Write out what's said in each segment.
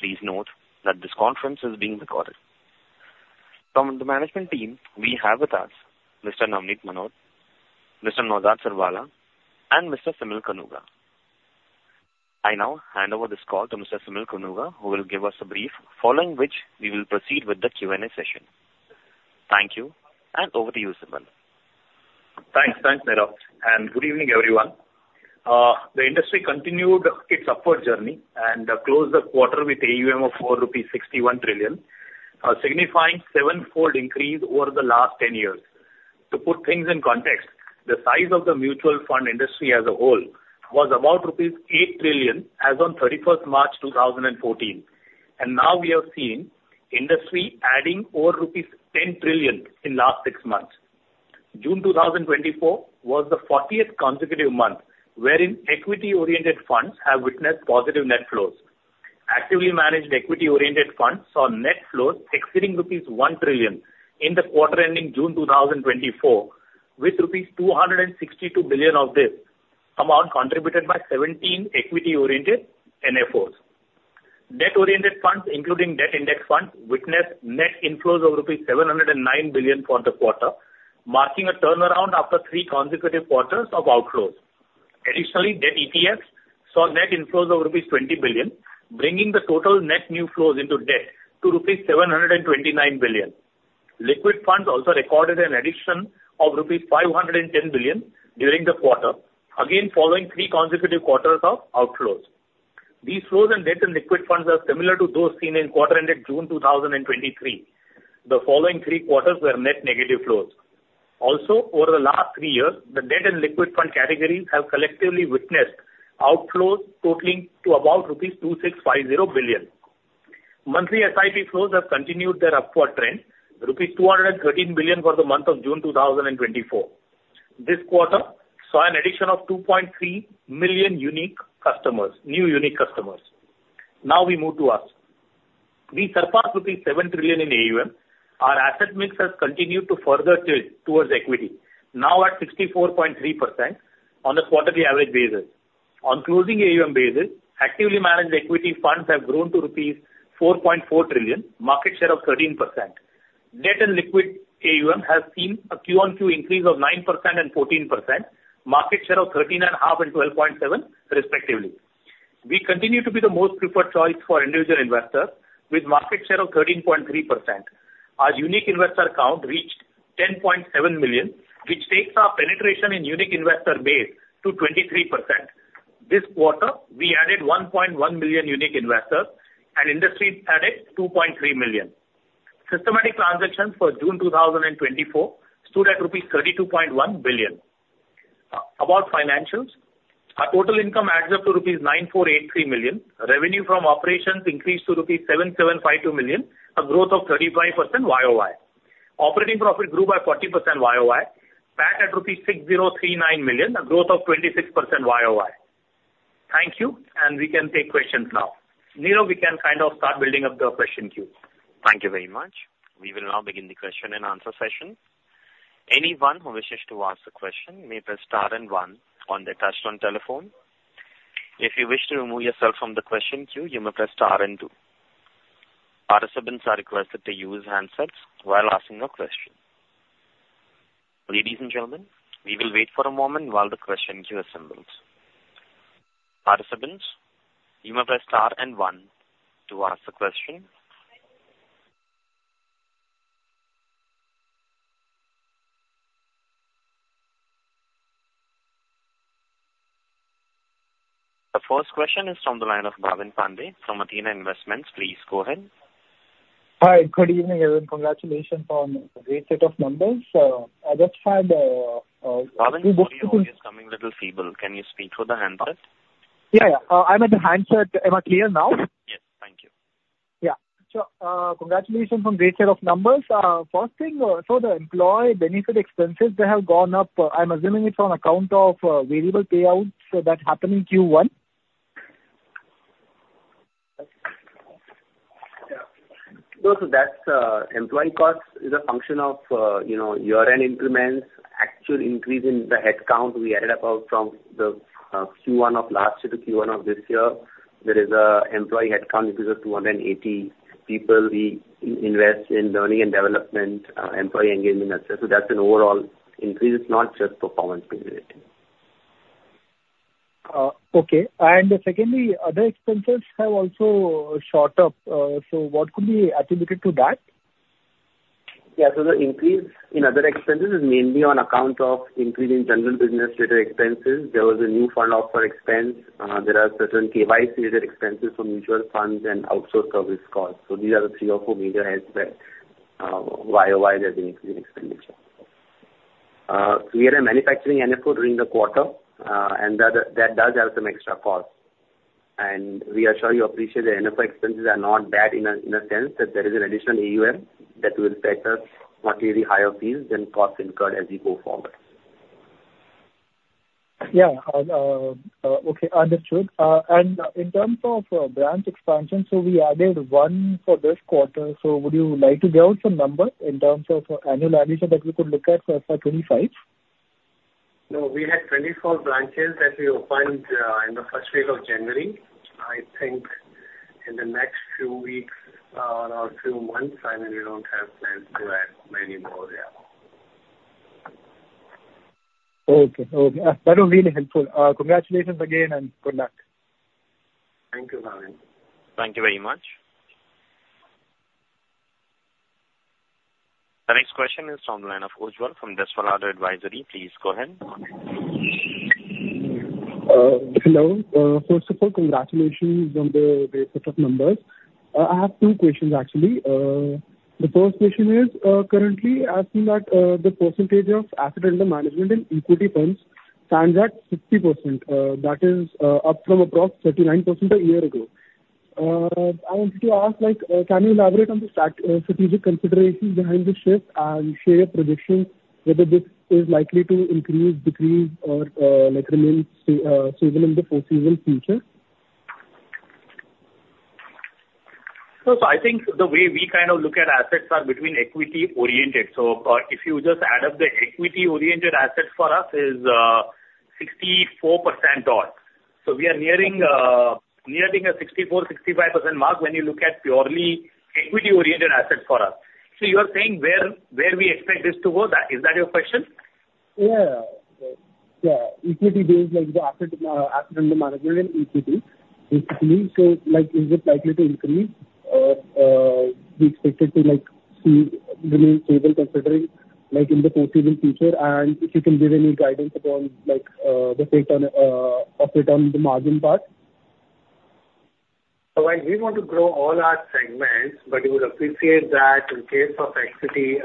Please note that this conference is being recorded. From the management team, we have with us Mr. Navneet Munot, Mr. Naozad Sirwalla, and Mr. Simal Kanuga. I now hand over this call to Mr. Simal Kanuga, who will give us a brief, following which we will proceed with the Q&A session. Thank you, and over to you, Simal. Thanks. Thanks, Navneet, and good evening, everyone. The industry continued its upward journey and, closed the quarter with AUM of 61.4 trillion rupees, signifying sevenfold increase over the last 10 years. To put things in context, the size of the mutual fund industry as a whole was about rupees 8 trillion as on 31st March, 2014. And now we have seen industry adding over rupees 10 trillion in last 6 months. June 2024 was the 40th consecutive month wherein equity-oriented funds have witnessed positive net flows. Actively managed equity-oriented funds saw net flows exceeding rupees 1 trillion in the quarter ending June 2024, with rupees 262 billion of this amount contributed by 17 equity-oriented NFOs. Debt-oriented funds, including debt index funds, witnessed net inflows of rupees 709 billion for the quarter, marking a turnaround after three consecutive quarters of outflows. Additionally, debt ETFs saw net inflows of rupees 20 billion, bringing the total net new flows into debt to rupees 729 billion. Liquid funds also recorded an addition of rupees 510 billion during the quarter, again, following three consecutive quarters of outflows. These flows in debt and liquid funds are similar to those seen in quarter ended June 2023. The following three quarters were net negative flows. Also, over the last three years, the debt and liquid fund categories have collectively witnessed outflows totaling to about rupees 2,650 billion. Monthly SIP flows have continued their upward trend, rupees 213 billion for the month of June 2024. This quarter saw an addition of 2.3 million unique customers, new unique customers. Now we move to us. We surpassed 7 trillion in AUM. Our asset mix has continued to further tilt towards equity, now at 64.3% on a quarterly average basis. On closing AUM basis, actively managed equity funds have grown to rupees 4.4 trillion, market share of 13%. Debt and liquid AUM has seen a Q-on-Q increase of 9% and 14%, market share of 13.5 and 12.7 respectively. We continue to be the most preferred choice for individual investors with market share of 13.3%. Our unique investor count reached 10.7 million, which takes our penetration in unique investor base to 23%. This quarter, we added 1.1 million unique investors and industry added 2.3 million. Systematic transactions for June 2024 stood at rupees 32.1 billion. About financials, our total income adds up to rupees 9,483 million. Revenue from operations increased to rupees 7,752 million, a growth of 35% YOY. Operating profit grew by 40% YOY, PAT at rupees 6,039 million, a growth of 26% YOY. Thank you, and we can take questions now. Neerav, we can kind of start building up the question queue. Thank you very much. We will now begin the question and answer session. Anyone who wishes to ask a question may press star and one on their touchtone telephone. If you wish to remove yourself from the question queue, you may press star and two. Participants are requested to use handsets while asking a question. Ladies and gentlemen, we will wait for a moment while the question queue assembles. Participants, you may press star and one to ask a question. The first question is from the line of Bhavin Pande from Athena Investments. Please go ahead. Hi, good evening, everyone. Congratulations on the great set of numbers. I just had- Bhavin, your audio is coming a little feeble. Can you speak through the handset? Yeah. Yeah. I'm at the handset. Am I clear now? Yes, thank you. Yeah. So, congratulations on great set of numbers. First thing, so the employee benefit expenses, they have gone up. I'm assuming it's on account of, variable payouts that happened in Q1? Yeah. So that's, employee cost is a function of, you know, year-end increments, actual increase in the headcount we added about from the, Q1 of last year to Q1 of this year. There is a employee headcount, which is 280 people. We invest in learning and development, employee engagement, et cetera. So that's an overall increase. It's not just performance-based. Okay. Secondly, other expenses have also shot up. What could be attributed to that? Yeah. So the increase in other expenses is mainly on account of increase in general business data expenses. There was a new fund offer expense. There are certain KYC related expenses for mutual funds and outsourced service costs. So these are the three or four major aspects. YOY there's been increase in expenditure. We had a manufacturing NFO during the quarter, and that, that does have some extra cost. And we are sure you appreciate the NFO expenses are not bad in a, in a sense that there is an additional AUM that will set us not really higher fees than costs incurred as we go forward. Yeah. Okay. Understood. And in terms of branch expansion, so we added one for this quarter. So would you like to give out some number in terms of annual addition that we could look at for FY 25? No, we had 24 branches that we opened in the first week of January. I think in the next 2 weeks or 2 months, I mean, we don't have plans to add many more, yeah. Okay. Okay. That was really helpful. Congratulations again, and good luck. Thank you, Bhavin. Thank you very much. The next question is from the line of Ujjwal from Dolat Capital. Please go ahead. Hello. First of all, congratulations on the set of numbers. I have two questions, actually. The first question is, currently, I've seen that the percentage of asset under management in equity funds stands at 60%, that is, up from across 39% a year ago. I wanted to ask, like, can you elaborate on the strategic considerations behind the shift and share your projections, whether this is likely to increase, decrease, or, like, remain stable in the foreseeable future? So, so I think the way we kind of look at assets are between equity-oriented. So, if you just add up the equity-oriented assets for us is, 64% odd. So we are nearing, nearing a 64-65% mark when you look at purely equity-oriented assets for us. So you are saying where, where we expect this to go? That, is that your question? Yeah. Yeah. Equity is like the asset under management in equity. So, like, is it likely to increase, or we expect it to, like, see remain stable considering, like, in the foreseeable future? And if you can give any guidance upon, like, the fate of it on the margin part. So while we want to grow all our segments, but you would appreciate that in case of equity,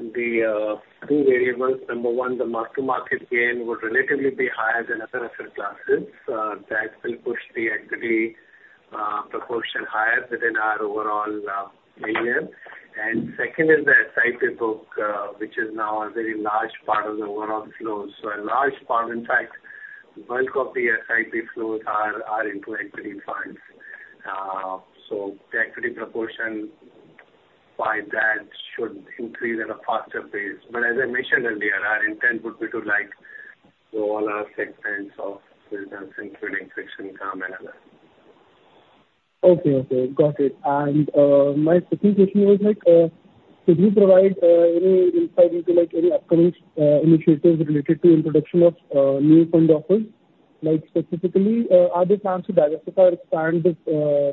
the two variables: number one, the Mark-to-Market gain would relatively be higher than other asset classes, that will push the equity proportion higher within our overall AUM. And second is the SIP book, which is now a very large part of the overall flows. So a large part, in fact, bulk of the SIP flows are into equity funds. So the equity proportion by that should increase at a faster pace. But as I mentioned earlier, our intent would be to, like, grow all our segments of business, including fixed income and others. Okay. Okay, got it. And, my second question was like, could you provide, any insight into, like, any upcoming, initiatives related to introduction of, new fund offers? Like, specifically, are there plans to diversify or expand this,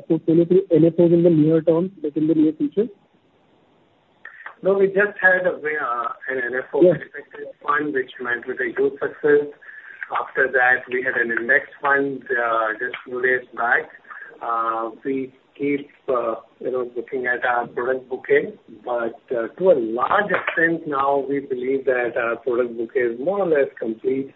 portfolio through NFOs in the near term, like in the near future? No, we just had an NFO- Yes. -fund, which went with a huge success. After that, we had an index fund just few days back. We keep, you know, looking at our product bouquet, but to a large extent now, we believe that our product bouquet is more or less complete.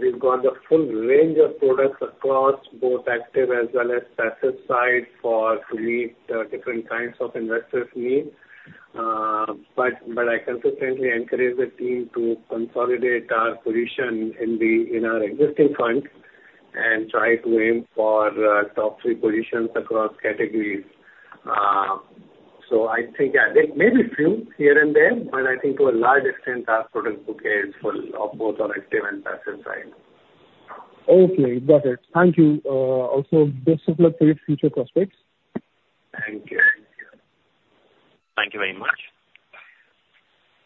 We've got the full range of products across both active as well as passive side for to meet different kinds of investors' needs. But, but I consistently encourage the team to consolidate our position in the, in our existing funds and try to aim for top three positions across categories. So I think there may be few here and there, but I think to a large extent, our product bouquet is full of both on active and passive side. Okay, got it. Thank you. Also, best of luck for your future prospects. Thank you. Thank you. Thank you very much.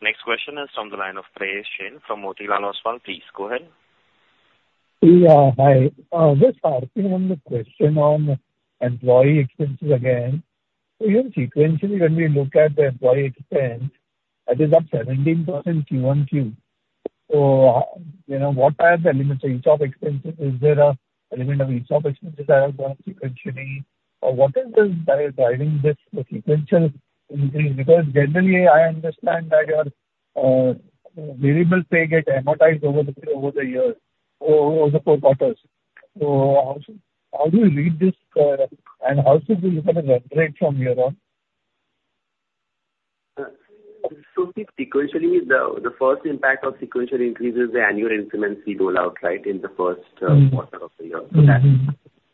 Next question is from the line of Prayesh Jain from Motilal Oswal. Please go ahead. Yeah, hi. Just harping on the question on employee expenses again. So even sequentially, when we look at the employee expense, that is up 17% Q-on-Q. So, you know, what are the elements of each of expenses? Is there a element of each of expenses that have grown sequentially, or what is this driving this sequential increase? Because generally, I understand that your variable pay get amortized over the years, over the four quarters. So how do you read this, and how should we look at the rate from here on? So sequentially, the first impact of sequential increase is the annual increments we roll out, right, in the first, Quarter of the year. So that's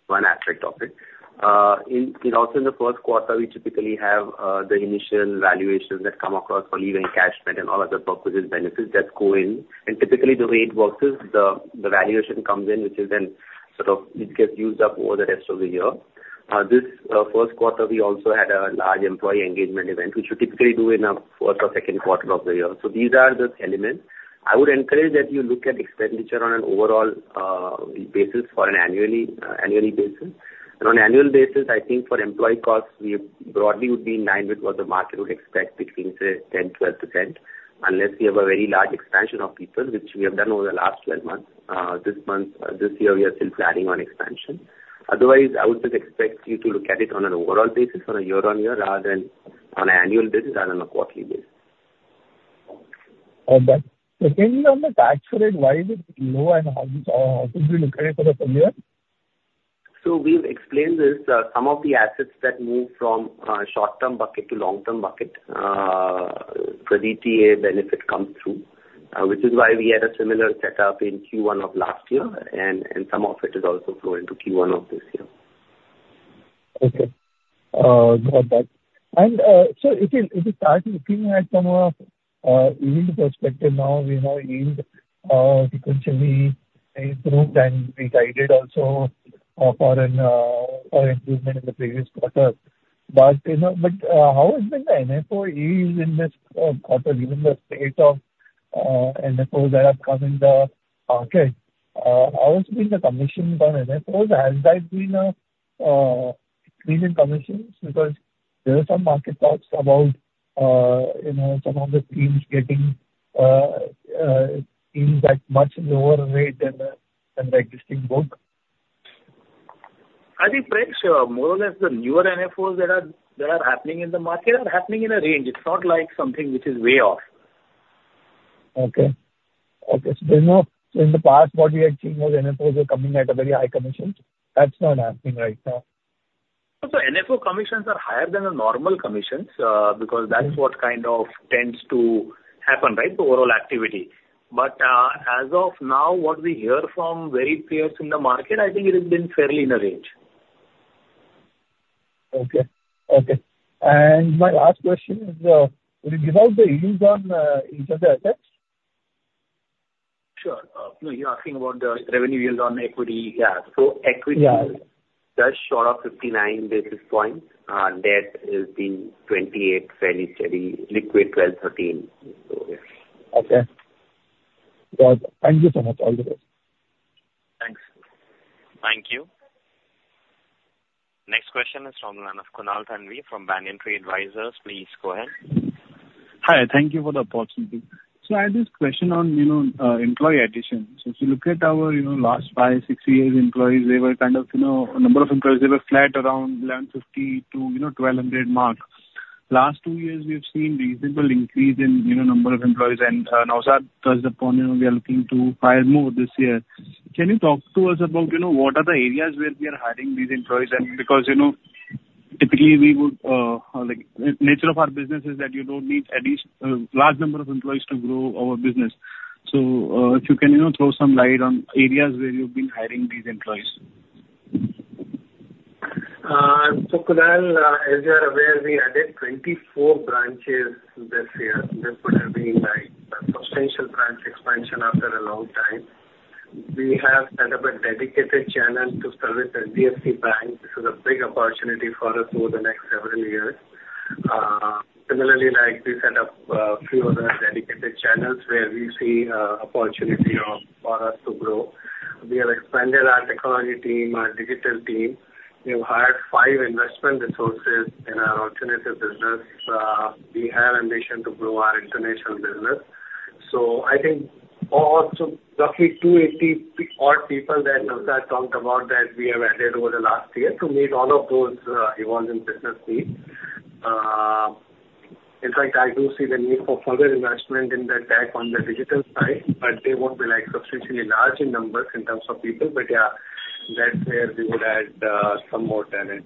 one aspect of it. In and also in the first quarter, we typically have the initial valuations that come across for leave encashment and all other purposes, benefits that go in. And typically, the way it works is the valuation comes in, which is then sort of it gets used up over the rest of the year. This first quarter, we also had a large employee engagement event, which we typically do in a first or second quarter of the year. So these are the elements. I would encourage that you look at expenditure on an overall basis for an annual basis. On annual basis, I think for employee costs, we broadly would be in line with what the market would expect between 10%-12%, unless we have a very large expansion of people, which we have done over the last 12 months. This month, this year, we are still planning on expansion. Otherwise, I would just expect you to look at it on an overall basis on a year-on-year rather than on an annual basis rather than a quarterly basis. Okay. Secondly, on the tax rate, why is it low, and how, how should we look at it for the full year? We've explained this. Some of the assets that move from short-term bucket to long-term bucket, the DTA benefit comes through, which is why we had a similar setup in Q1 of last year, and, and some of it is also flowing to Q1 of this year. Okay. Got that. And, so if you, if you start looking at from a, yield perspective now, we know yield sequentially improved and we guided also, for an, for improvement in the previous quarter. But, you know, but, how has been the NFO yield in this quarter, given the state of NFOs that have come in the market? How has been the commission on NFOs? Has that been a increase in commissions? Because there are some market thoughts about, you know, some of the schemes getting, in that much lower rate than the, than the existing book. I think, Prash, more or less the newer NFOs that are happening in the market are happening in a range. It's not like something which is way off. Okay. So in the past, what we had seen was NFOs were coming at a very high commission. That's not happening right now? So NFO commissions are higher than the normal commissions, because that's what kind of tends to happen, right? The overall activity. But, as of now, what we hear from various players in the market, I think it has been fairly in the range. Okay. Okay. My last question is, will you give out the yields on each of the assets? Sure. No, you're asking about the revenue yields on equity. Yeah. So equity- Yeah. Just short of 59 basis points. Debt is the 28 fairly steady, liquid 12, 13. So, yes. Okay. Well, thank you so much. All the best. Thanks. Thank you. Next question is from one of Kunal Thanvi from Banyan Tree Advisors. Please go ahead. Hi, thank you for the opportunity. So I had this question on, you know, employee additions. So if you look at our, you know, last 5, 6 years employees, they were kind of, you know, number of employees, they were flat around 1,150 to, you know, 1,200 mark. Last 2 years, we have seen reasonable increase in, you know, number of employees, and, Naozad stressed upon, you know, we are looking to hire more this year. Can you talk to us about, you know, what are the areas where we are hiring these employees? And because, you know, typically we would, like, nature of our business is that you don't need at least, large number of employees to grow our business. So, if you can, you know, throw some light on areas where you've been hiring these employees. So, Kunal, as you are aware, we added 24 branches this year. This would have been like a substantial branch expansion after a long time. We have set up a dedicated channel to service HDFC Bank. This is a big opportunity for us over the next several years. Similarly, like we set up few other dedicated channels where we see opportunity for us to grow. We have expanded our technology team, our digital team. We've hired five investment resources in our alternative business. We have ambition to grow our international business. So I think also roughly 280-odd people that Naozad talked about, that we have added over the last year to meet all of those evolving business needs. In fact, I do see the need for further investment in the tech on the digital side, but they won't be, like, substantially large in numbers in terms of people. But, yeah, that's where we would add some more talent.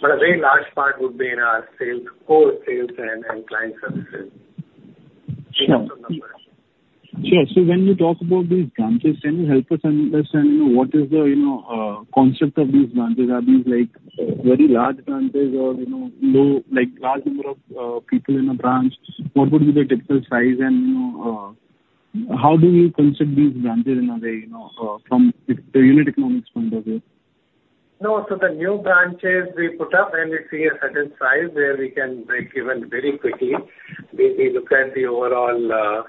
But a very large part would be in our sales, core sales and client services. Sure. In terms of numbers. Sure. So when you talk about these branches, can you help us understand, you know, what is the, you know, concept of these branches? Are these like very large branches or, you know, low, like, large number of people in a branch? What would be the typical size and, you know, how do you construct these branches in a way, you know, from the unit economics point of view? No, so the new branches we put up, when we see a certain size where we can break even very quickly, we look at the overall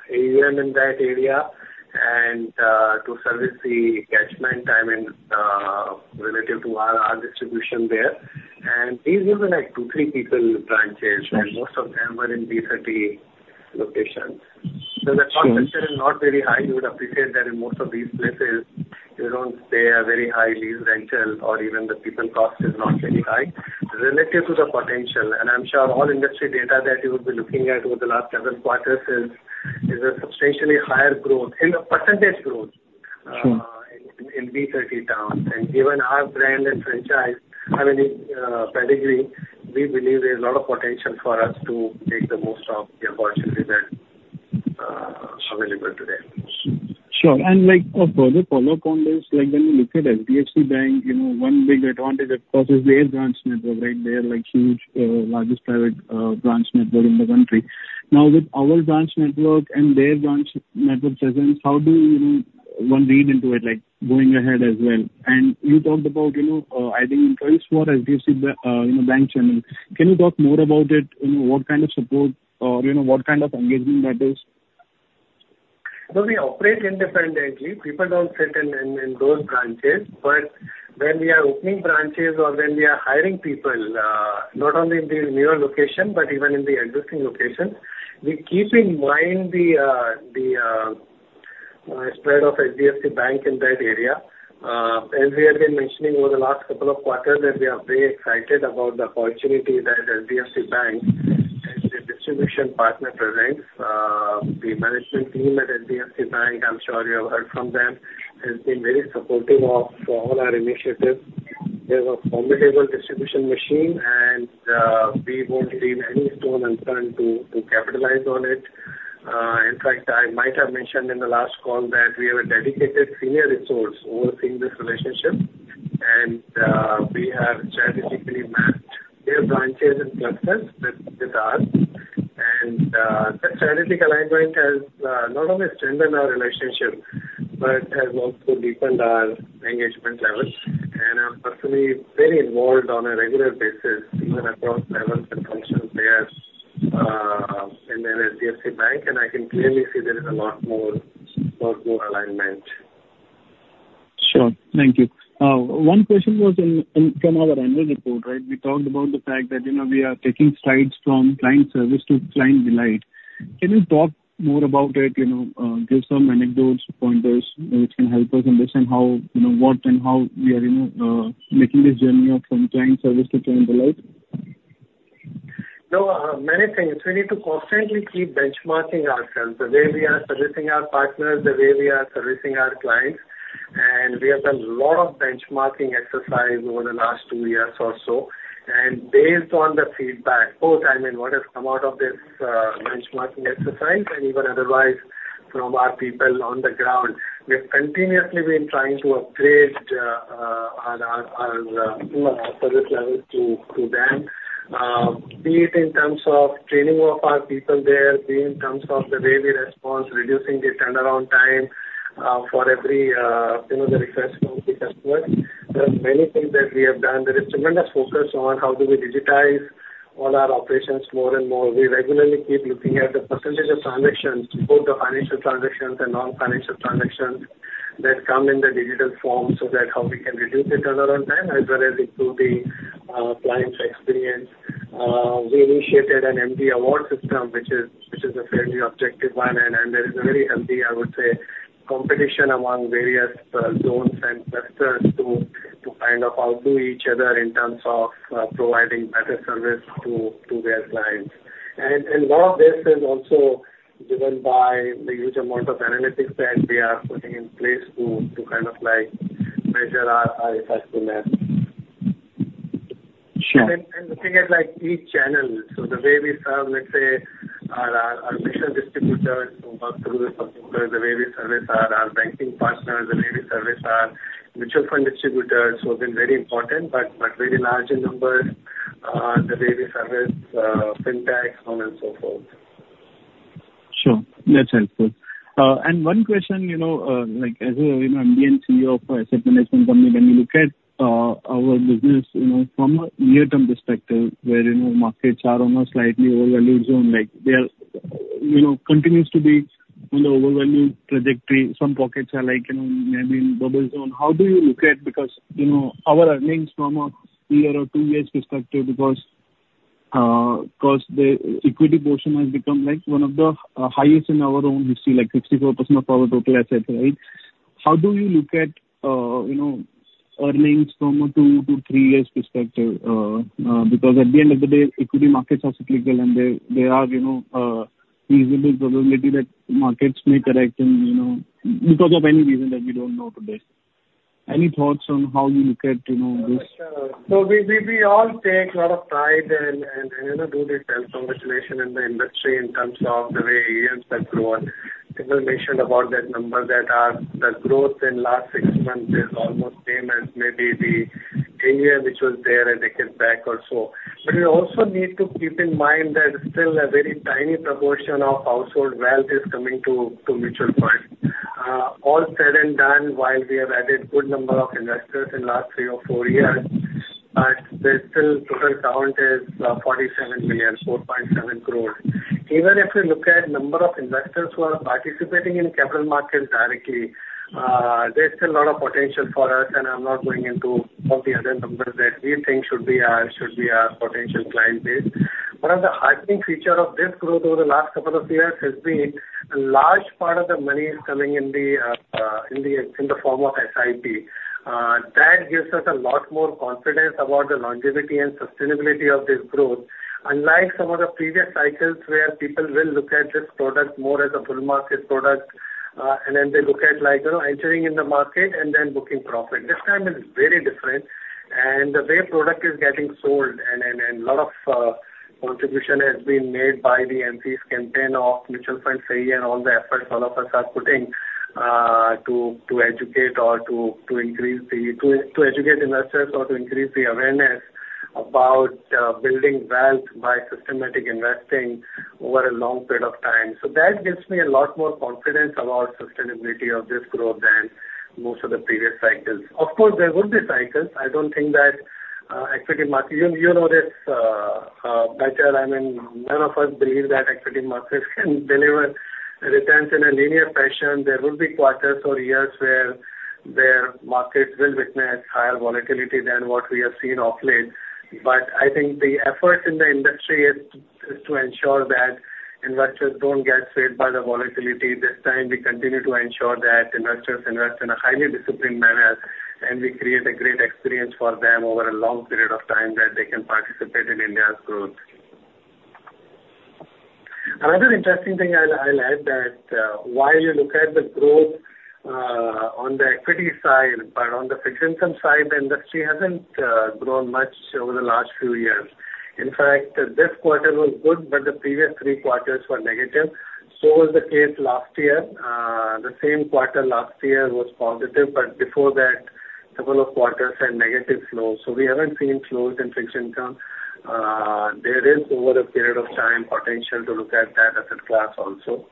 AUM in that area and to service the catchment area and relative to our distribution there. And these are the, like, 2, 3 people branches. Sure. And most of them are in B30 locations. Sure. So the cost structure is not very high. You would appreciate that in most of these places, you don't pay a very high lease rental or even the people cost is not very high relative to the potential. And I'm sure all industry data that you would be looking at over the last several quarters is a substantially higher growth in the percentage growth- Sure. in B30 towns. And given our brand and franchise having a pedigree, we believe there's a lot of potential for us to take the most of the opportunity that available today. Sure. And like a further follow-up on this, like when we look at HDFC Bank, you know, one big advantage, of course, is their branch network, right? They are like huge, largest private branch network in the country. Now, with our branch network and their branch network presence, how do you know, one read into it, like, going ahead as well? And you talked about, you know, adding employees for HDFC, you know, bank channels. Can you talk more about it? You know, what kind of support or, you know, what kind of engagement that is? No, we operate independently. People don't sit in those branches. But when we are opening branches or when we are hiring people, not only in the newer location, but even in the existing locations, we keep in mind the spread of HDFC Bank in that area. As we have been mentioning over the last couple of quarters, that we are very excited about the opportunity that HDFC Bank as a distribution partner presents. The management team at HDFC Bank, I'm sure you have heard from them, has been very supportive of all our initiatives. They have a formidable distribution machine, and we won't leave any stone unturned to capitalize on it.... In fact, I might have mentioned in the last call that we have a dedicated senior resource overseeing this relationship, and we have strategically matched their branches and clusters with ours. And that strategic alignment has not only strengthened our relationship, but has also deepened our engagement levels. And I'm personally very involved on a regular basis, even across levels and functions there in HDFC Bank, and I can clearly see there is a lot more, lot more alignment. Sure. Thank you. One question was in from our annual report, right? We talked about the fact that, you know, we are taking strides from client service to client delight. Can you talk more about it, you know, give some anecdotes, pointers, which can help us understand how, you know, what and how we are, you know, making this journey from client service to client delight? No, many things. We need to constantly keep benchmarking ourselves, the way we are servicing our partners, the way we are servicing our clients. And we have done a lot of benchmarking exercise over the last two years or so. And based on the feedback, both, I mean, what has come out of this, benchmarking exercise and even otherwise, from our people on the ground, we have continuously been trying to upgrade, our, our, you know, service levels to, to them. Be it in terms of training of our people there, be it in terms of the way we respond, reducing the turnaround time, for every, you know, the request from the customer. There are many things that we have done. There is tremendous focus on how do we digitize all our operations more and more. We regularly keep looking at the percentage of transactions, both the financial transactions and non-financial transactions, that come in the digital form, so that how we can reduce the turnaround time as well as improve the client's experience. We initiated an MD award system, which is a fairly objective one, and there is a very healthy, I would say, competition among various zones and clusters to kind of outdo each other in terms of providing better service to their clients. And lot of this is also driven by the huge amount of analytics that we are putting in place to kind of like measure our effectiveness. Sure. Looking at, like, each channel, so the way we serve, let's say, our mutual distributors who work through the particular, the way we service our banking partners, the way we service our mutual fund distributors, who have been very important, but very large in number, the way we service Fintech, so on and so forth. Sure. That's helpful. And one question, you know, like as an, you know, Indian CEO of an asset management company, when you look at, our business, you know, from a near-term perspective, where, you know, markets are on a slightly overvalued zone, like there, you know, continues to be on the overvalued trajectory. Some pockets are like, you know, maybe in bubble zone. How do you look at... Because, you know, our earnings from a year or two years perspective, because, because the equity portion has become like one of the, highest in our own history, like 64% of our total assets, right? How do you look at, you know, earnings from a two to three years perspective? Because at the end of the day, equity markets are cyclical, and they, they are, you know, reasonable probability that markets may correct and, you know, because of any reason that we don't know today. Any thoughts on how you look at, you know, this? So we all take a lot of pride and you know do this transformation in the industry in terms of the way AUMs have grown. People mentioned about that number, that our growth in last six months is almost same as maybe the area which was there a decade back or so. But we also need to keep in mind that still a very tiny proportion of household wealth is coming to mutual funds. All said and done, while we have added good number of investors in last three or four years, but still the total count is 47 million, 4.7 crores. Even if we look at number of investors who are participating in capital markets directly, there's still a lot of potential for us, and I'm not going into all the other numbers that we think should be our potential client base. But as the heartening feature of this growth over the last couple of years has been a large part of the money is coming in the form of SIP. That gives us a lot more confidence about the longevity and sustainability of this growth. Unlike some of the previous cycles, where people will look at this product more as a bull market product, and then they look at like, you know, entering in the market and then booking profit. This time is very different, and the way product is getting sold and a lot of contribution has been made by the AMFI's campaign of Mutual Funds Sahi Hai and all the efforts all of us are putting to educate investors or to increase the awareness about building wealth by systematic investing over a long period of time. So that gives me a lot more confidence about sustainability of this growth than most of the previous cycles. Of course, there would be cycles. I don't think that equity market, even you know this better, I mean, none of us believe that equity markets can deliver returns in a linear fashion. There will be quarters or years where markets will witness higher volatility than what we have seen of late. But I think the effort in the industry is to ensure that investors don't get swayed by the volatility. This time, we continue to ensure that investors invest in a highly disciplined manner, and we create a great experience for them over a long period of time, that they can participate in India's growth. Another interesting thing I'll add that, while you look at the growth on the equity side, but on the fixed income side, the industry hasn't grown much over the last few years. In fact, this quarter was good, but the previous three quarters were negative. So was the case last year. The same quarter last year was positive, but before that, several of quarters had negative flows. So we haven't seen flows in fixed income. There is, over a period of time, potential to look at that asset class also.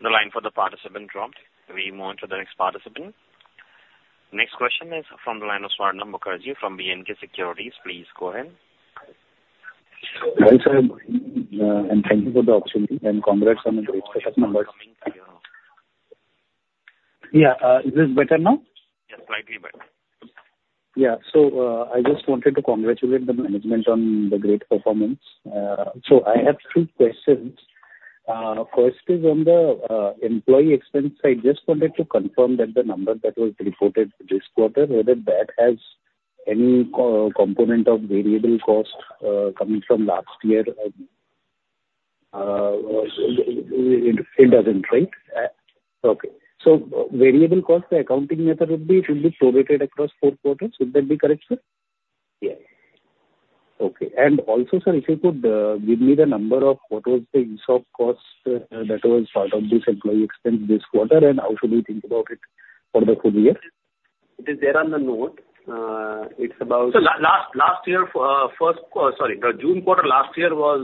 The line for the participant dropped. We move on to the next participant. Next question is from the line of Swarnabha Mukherjee from B&K Securities. Please go ahead. Hi, sir, and thank you for the opportunity, and congrats on the great set of numbers. Yeah. Is this better now? Yes, slightly better. Yeah. So, I just wanted to congratulate the management on the great performance. So I have two questions. First is on the employee expense. I just wanted to confirm that the number that was reported this quarter, whether that has any component of variable cost coming from last year and it doesn't, right? Okay. So variable cost, the accounting method would be it will be prorated across four quarters. Would that be correct, sir? Yes. Okay. Also, sir, if you could, give me the number of what was the ESOP cost, that was part of this employee expense this quarter, and how should we think about it for the full year? It is there on the note. It's about- So last year first quarter. Sorry, the June quarter last year was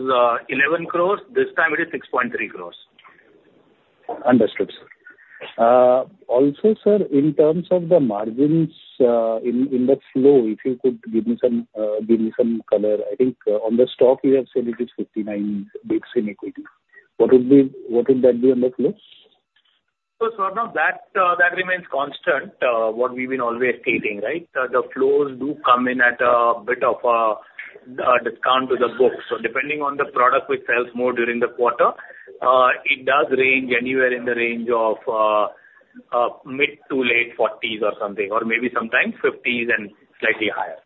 11 crore. This time it is 6.3 crore. Understood, sir. Also, sir, in terms of the margins, in the flow, if you could give me some color. I think on the stock you have said it is 59 basis in equity. What would that be on the flow? So Swarnabha, that, that remains constant, what we've been always stating, right? The flows do come in at a bit of a, a discount to the book. So depending on the product which sells more during the quarter, it does range anywhere in the range of, mid to late forties or something, or maybe sometimes fifties and slightly higher.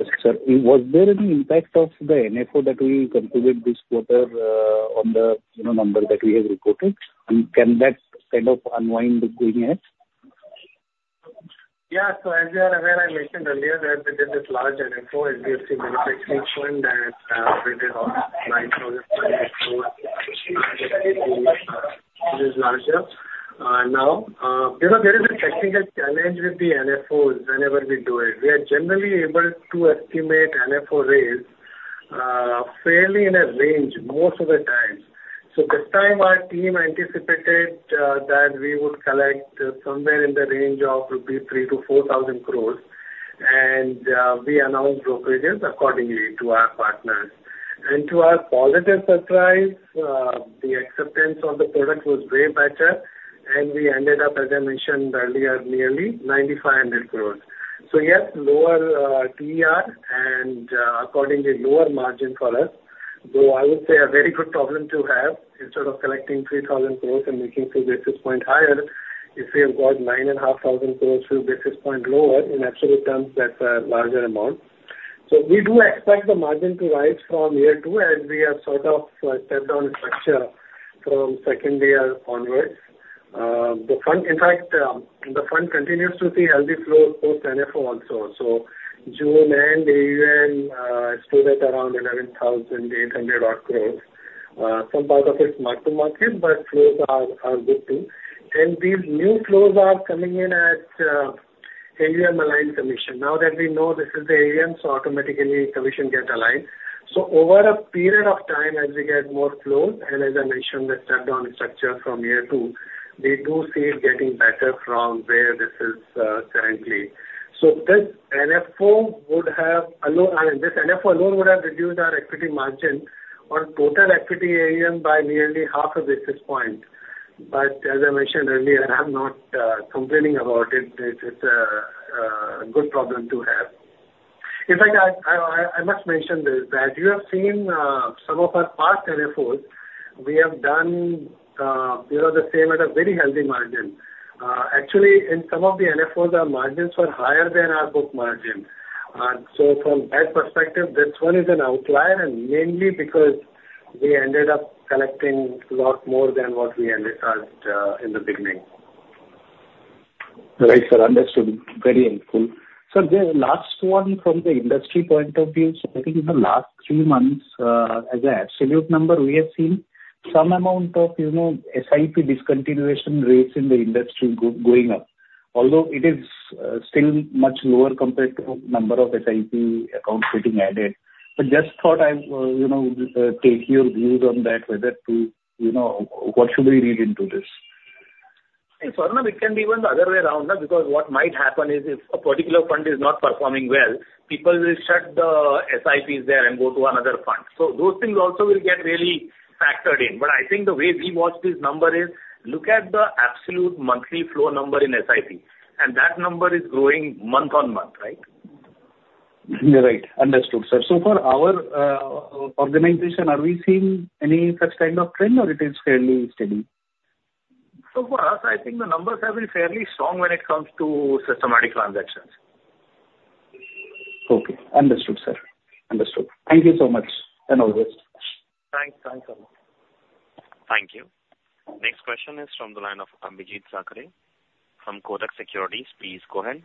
Okay, sir. Was there any impact of the NFO that we concluded this quarter, on the, you know, number that we have reported? And can that kind of unwind going ahead? Yeah. So as you are aware, I mentioned earlier that we did this large NFO, HDFC Manufacturing Fund, that raised around INR 9,500 crore. It is larger. Now, you know, there is a technical challenge with the NFOs whenever we do it. We are generally able to estimate NFO raise fairly in a range most of the time. So this time, our team anticipated that we would collect somewhere in the range of rupees 3,000-4,000 crore, and we announced brokerages accordingly to our partners. And to our positive surprise, the acceptance of the product was way better, and we ended up, as I mentioned earlier, nearly 9,500 crore. So yes, lower TER and accordingly, lower margin for us, though I would say a very good problem to have. Instead of collecting 3,000 crore and making 2 basis points higher, if we have got 9,500 crore 1 basis point lower, in absolute terms, that's a larger amount. So we do expect the margin to rise from year two, as we have sort of a step down structure from second year onwards. The fund, in fact, the fund continues to see healthy flows post NFO also. So June end, AUM stood at around 11,800 crore. Some part of it is mark-to-market, but flows are good too. And these new flows are coming in at AUM aligned commission. Now that we know this is the AUM, so automatically commission get aligned. So over a period of time, as we get more flows, and as I mentioned, the step down structure from year two, we do see it getting better from where this is currently. So this NFO alone would have reduced our equity margin on total equity AUM by nearly half a basis point. But as I mentioned earlier, I'm not complaining about it. This is a good problem to have. In fact, I must mention this, that you have seen some of our past NFOs, we have done you know the same at a very healthy margin. Actually, in some of the NFOs, our margins were higher than our book margin. So from that perspective, this one is an outlier, and mainly because we ended up collecting a lot more than what we anticipated, in the beginning. Right, sir. Understood. Very helpful. Sir, the last one from the industry point of view. So I think in the last three months, as an absolute number, we have seen some amount of, you know, SIP discontinuation rates in the industry going up. Although it is, still much lower compared to number of SIP accounts getting added. But just thought I would, you know, take your view on that, whether to, you know, what should we read into this? Hey, Swarnabha, it can be even the other way around, because what might happen is, if a particular fund is not performing well, people will shut the SIPs there and go to another fund. So those things also will get really factored in. But I think the way we watch this number is look at the absolute monthly flow number in SIP, and that number is growing month-on-month, right? Right. Understood, sir. So for our organization, are we seeing any such kind of trend, or it is fairly steady? So for us, I think the numbers have been fairly strong when it comes to systematic transactions. Okay, understood, sir. Understood. Thank you so much, and all the best! Thanks. Thanks a lot. Thank you. Next question is from the line of Abhijit Sakhare from Kotak Securities. Please go ahead.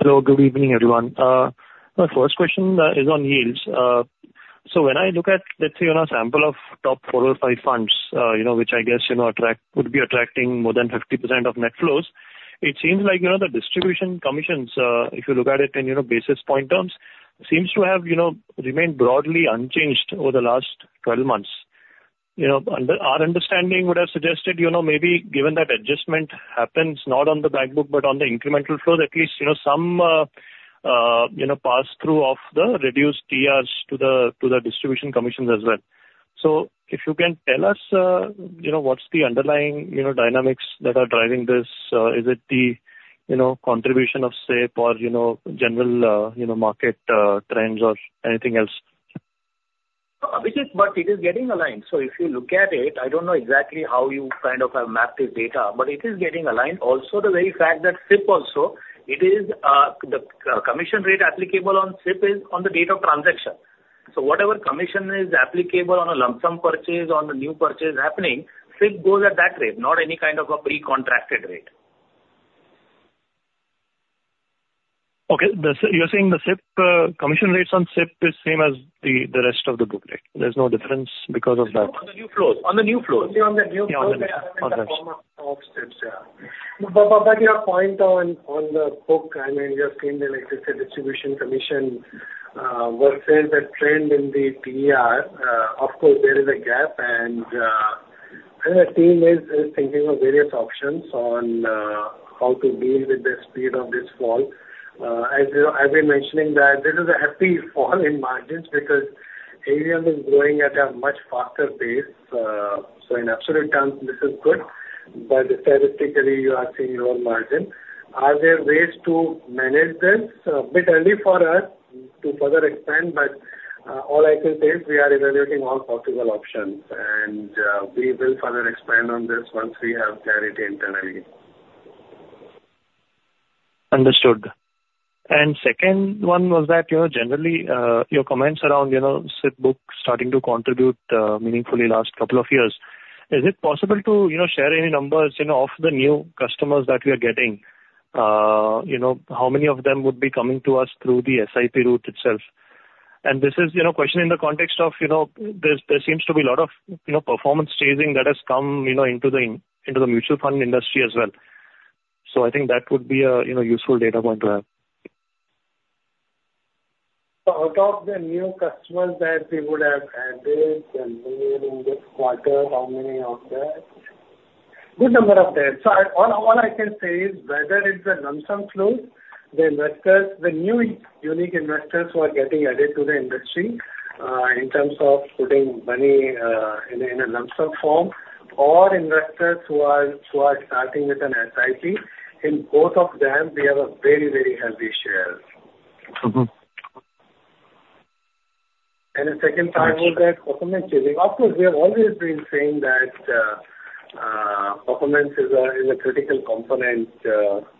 Hello, good evening, everyone. My first question is on yields. So when I look at, let's say, on a sample of top four or five funds, you know, which I guess, you know, attracting would be attracting more than 50% of net flows, it seems like, you know, the distribution commissions, if you look at it in, you know, basis point terms, seems to have, you know, remained broadly unchanged over the last twelve months. You know, under our understanding would have suggested, you know, maybe given that adjustment happens not on the back book, but on the incremental flows, at least, you know, some, you know, pass-through of the reduced TRs to the, to the distribution commissions as well. So if you can tell us, you know, what's the underlying, you know, dynamics that are driving this? Is it the, you know, contribution of, say, or, you know, general, you know, market trends or anything else? Abhijit, but it is getting aligned. So if you look at it, I don't know exactly how you kind of have mapped this data, but it is getting aligned. Also, the very fact that SIP also, it is, the commission rate applicable on SIP is on the date of transaction. So whatever commission is applicable on a lump sum purchase, on the new purchase happening, SIP goes at that rate, not any kind of a pre-contracted rate. Okay. The SIP you're saying the SIP commission rates on SIP is same as the rest of the book, right? There's no difference because of that. On the new flows. On the new flows. Only on the new flows- Yeah, on the flows. There are forms of offsets, yeah. But your point on the book, I mean, you have seen, like you say, distribution commission versus the trend in the TER. Of course, there is a gap, and the team is thinking of various options on how to deal with the speed of this fall. As you know, I've been mentioning that this is a healthy fall in margins, because AUM is growing at a much faster pace. So in absolute terms, this is good, but statistically, you are seeing lower margin. Are there ways to manage this? A bit early for us to further expand, but all I can say is we are evaluating all possible options, and we will further expand on this once we have clarity internally. Understood. Second one was that, you know, generally, your comments around, you know, SIP book starting to contribute meaningfully last couple of years. Is it possible to, you know, share any numbers, you know, of the new customers that we are getting? You know, how many of them would be coming to us through the SIP route itself? And this is, you know, question in the context of, you know, there seems to be a lot of, you know, performance chasing that has come, you know, into the mutual fund industry as well. So I think that would be a, you know, useful data point to have. So out of the new customers that we would have added and made in this quarter, how many of that? Good number of that. So, all I can say is whether it's a lump sum flow, the investors, the new unique investors who are getting added to the industry, in terms of putting money in a lump sum form, or investors who are starting with an SIP, in both of them, we have a very, very healthy share. The second part was that performance chasing. Of course, we have always been saying that, performance is a critical component,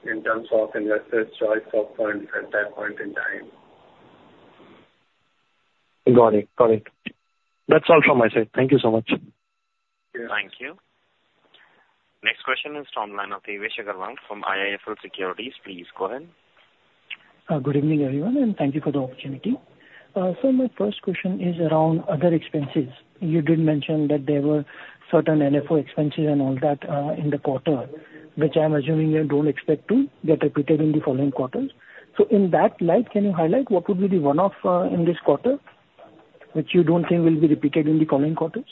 in terms of investors' choice of points at that point in time. Got it. Got it. That's all from my side. Thank you so much. Yeah. Thank you. Next question is from line of Devesh Agarwal from IIFL Securities. Please go ahead. Good evening, everyone, and thank you for the opportunity. So my first question is around other expenses. You did mention that there were certain NFO expenses and all that, in the quarter, which I'm assuming you don't expect to get repeated in the following quarters. So in that light, can you highlight what would be the one-off, in this quarter, which you don't think will be repeated in the coming quarters?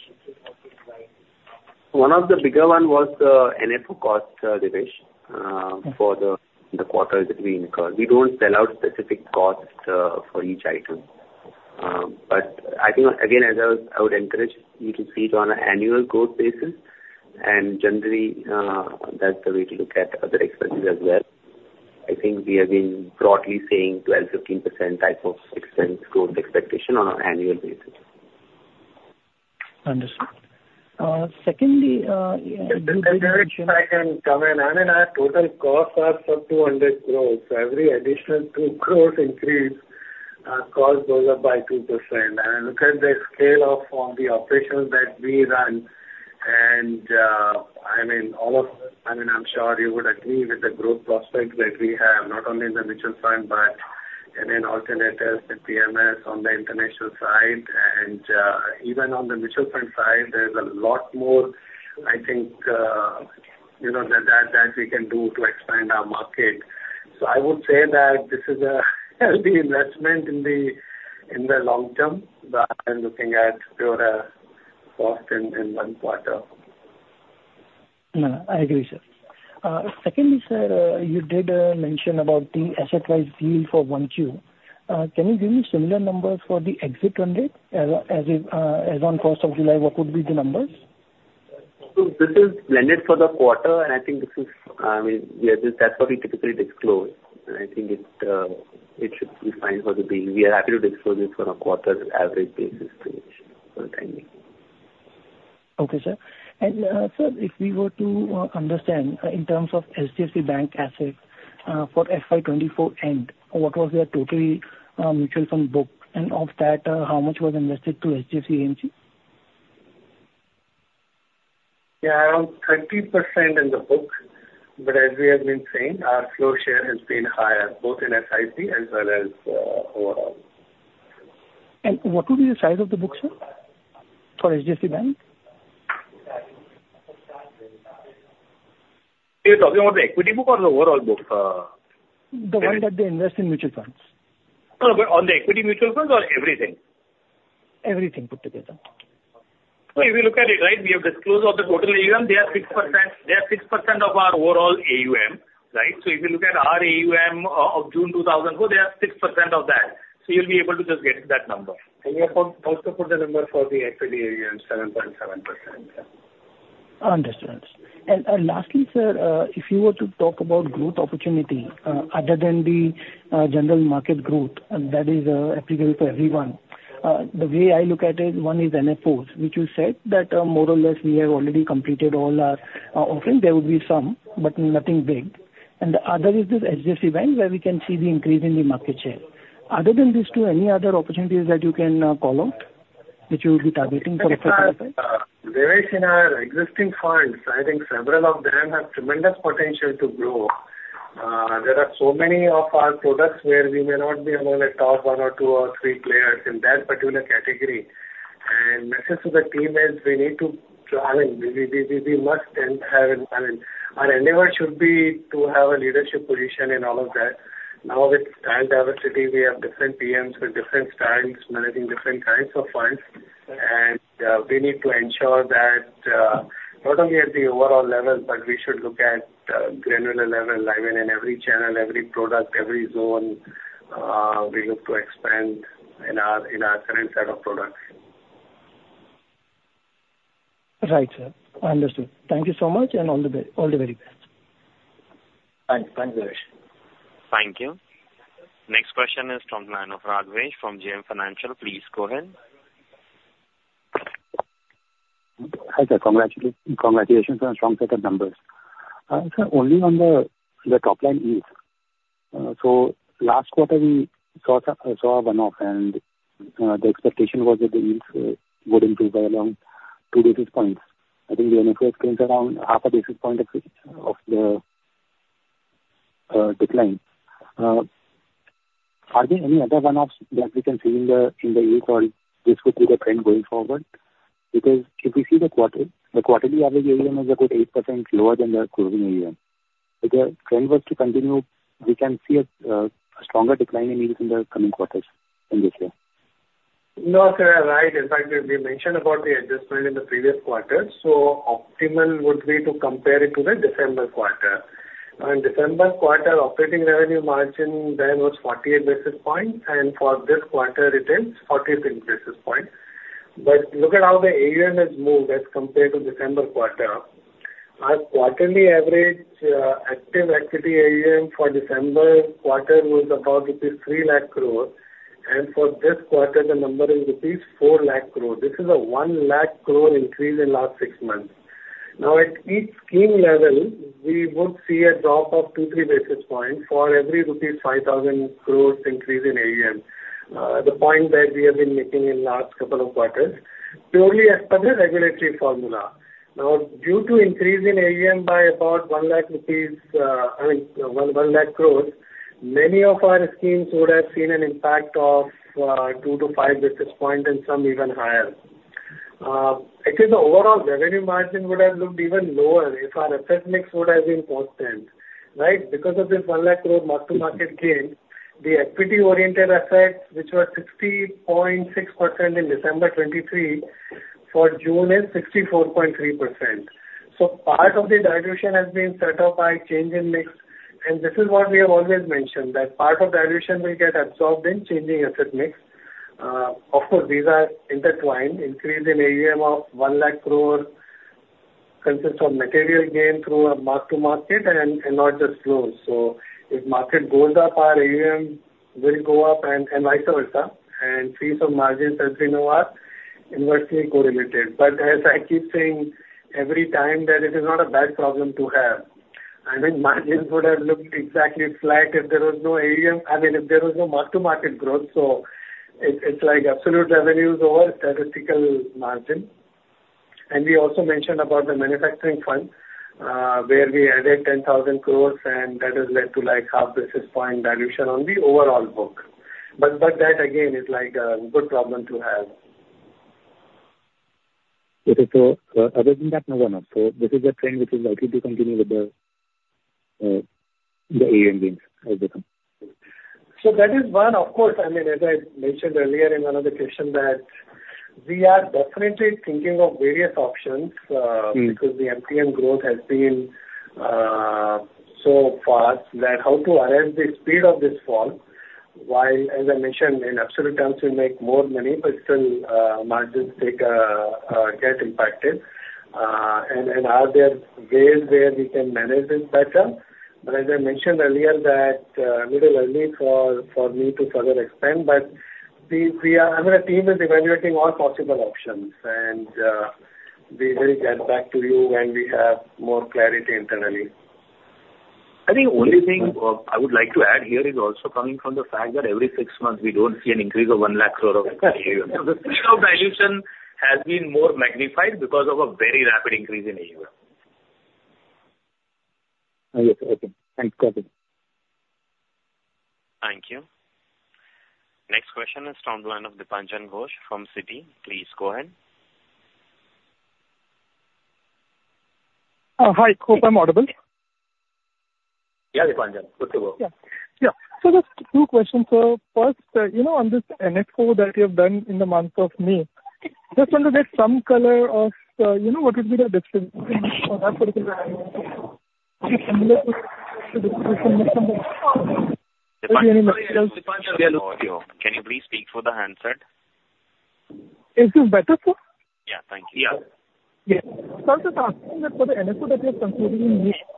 One of the bigger one was the NFO cost, Devesh, Okay For the quarter that we incurred. We don't spell out specific costs for each item. But I think again, as I was, I would encourage you to see it on an annual growth basis, and generally, that's the way to look at other expenses as well. I think we have been broadly saying 12%-15% type of expense growth expectation on an annual basis. Understood. Secondly, Devesh, if I can come in, and in our total costs are some 200 crore. So every additional 2 crore increase, cost goes up by 2%. And look at the scale of the operations that we run and, I mean, all of... I mean, I'm sure you would agree with the growth prospects that we have, not only in the mutual fund, but in alternatives, in PMS, on the international side, and even on the mutual fund side, there's a lot more, I think, you know, that we can do to expand our market. So I would say that this is a healthy investment in the long term, rather than looking at pure cost in one quarter. No, no, I agree, sir. Secondly, sir, you did mention about the asset-wise deal for 1Q. Can you give me similar numbers for the exit run rate? As if, as on course of July, what would be the numbers? So this is blended for the quarter, and I think this is, I mean, we are, that's what we typically disclose, and I think it, it should be fine for the day. We are happy to disclose this on a quarter's average basis to you. Okay, sir. And, sir, if we were to, understand, in terms of HDFC Bank assets, for FY 2024 end, what was their total, mutual fund book? And of that, how much was invested through HDFC AMC? Yeah, around 30% in the books. But as we have been saying, our flow share has been higher, both in SIP as well as overall. What would be the size of the book, sir, for HDFC Bank? You're talking about the equity book or the overall book? The one that they invest in mutual funds. Oh, but on the equity mutual funds or everything? Everything put together. So if you look at it, right, we have disclosed all the total AUM. They are 6%, they are 6% of our overall AUM, right? So if you look at our AUM of June 2004, they are 6% of that. So you'll be able to just get that number. We have also put the number for the equity AUM, 7.7%. Understood. And, lastly, sir, if you were to talk about growth opportunity, other than the general market growth, and that is applicable to everyone. The way I look at it, one is NFOs, which you said that more or less we have already completed all our offering. There will be some, but nothing big. And the other is this HDFC Bank, where we can see the increase in the market share. Other than these two, any other opportunities that you can call out, which you will be targeting for the future? There is in our existing funds, I think several of them have tremendous potential to grow. There are so many of our products where we may not be among the top one or two or three players in that particular category. And message to the team is we need to, I mean, we must and have, I mean, our endeavor should be to have a leadership position in all of that. Now, with team diversity, we have different PMs with different styles, managing different kinds of funds. And we need to ensure that, not only at the overall level, but we should look at granular level. I mean, in every channel, every product, every zone, we look to expand in our current set of products. Right, sir. Understood. Thank you so much, and all the very best. Thank you. Thank you, Naresh. Thank you. Next question is from the line of Raghavesh from JM Financial. Please go ahead. Hi, sir. Congratulations on a strong set of numbers. Sir, only on the top line yields. So last quarter, we saw a one-off, and the expectation was that the yields would improve by around 2 basis points. I think the NFO is around 0.5 basis point of the decline. Are there any other one-offs that we can see in the yield call? This would be the trend going forward? Because if you see the quarter, the quarterly average AUM is about 8% lower than the closing AUM. If the trend were to continue, we can see a stronger decline in yields in the coming quarters in this year. No, sir, you're right. In fact, we mentioned about the adjustment in the previous quarter, so optimal would be to compare it to the December quarter. December quarter operating revenue margin then was 48 basis points, and for this quarter it is 43 basis points. But look at how the AUM has moved as compared to December quarter. Our quarterly average, active equity AUM for December quarter was about rupees 300,000 crore, and for this quarter the number is rupees 400,000 crore. This is a 100,000 crore increase in last six months. Now, at each scheme level, we would see a drop of 2-3 basis points for every rupees 5,000 crore increase in AUM. The point that we have been making in last couple of quarters, purely as per the regulatory formula. Now, due to increase in AUM by about one lakh rupees, I mean, one lakh crores, many of our schemes would have seen an impact of 2-5 basis points, and some even higher. I think the overall revenue margin would have looked even lower if our asset mix would have been constant, right? Because of this one lakh crore mark-to-market gain, the equity-oriented assets, which were 60.6% in December 2023, for June is 64.3%. So part of the dilution has been set off by change in mix, and this is what we have always mentioned, that part of the dilution will get absorbed in changing asset mix. Of course, these are intertwined. Increase in AUM of one lakh crore consists of material gain through a mark-to-market and not just flows. So if market goes up, our AUM will go up and, and vice versa. And fees of margins, as we know, are inversely correlated. But as I keep saying every time, that it is not a bad problem to have. I think margins would have looked exactly flat if there was no AUM, I mean, if there was no mark-to-market growth. So it's, it's like absolute revenues over statistical margin. And we also mentioned about the manufacturing fund, where we added 10,000 crore, and that has led to like half basis point dilution on the overall book. But, but that again, is like a good problem to have. Okay. So, other than that, no, no, no. So this is a trend which is likely to continue with the AUM gains as they come? So that is one. Of course, I mean, as I mentioned earlier in one of the question, that we are definitely thinking of various options. Because the MPN growth has been so fast, that how to arrest the speed of this fall, while, as I mentioned, in absolute terms, we make more money, but still, margins take get impacted. And, and are there ways where we can manage this better? But as I mentioned earlier, that, little early for, for me to further expand, but- We are, I mean, our team is evaluating all possible options, and we will get back to you when we have more clarity internally. I think only thing, I would like to add here is also coming from the fact that every six months we don't see an increase of 100,000 crore of AUM. The speed of dilution has been more magnified because of a very rapid increase in AUM. Yes. Okay. Thanks, got it. Thank you. Next question is from the line of Dipanjan Ghosh from Citi. Please go ahead. Hi, hope I'm audible. Yeah, Dipanjan. Good to go. Yeah. Yeah. So just two questions, sir. First, you know, on this NFO that you have done in the month of May, just wanted to get some color of, you know, what would be the distinction from that particular? Dipanjan, sorry. Dipanjan, we are losing your audio. Can you please speak through the handset? Is this better, sir? Yeah. Thank you. Yeah. Yeah. Sir, just asking that for the NFO that you're considering in May-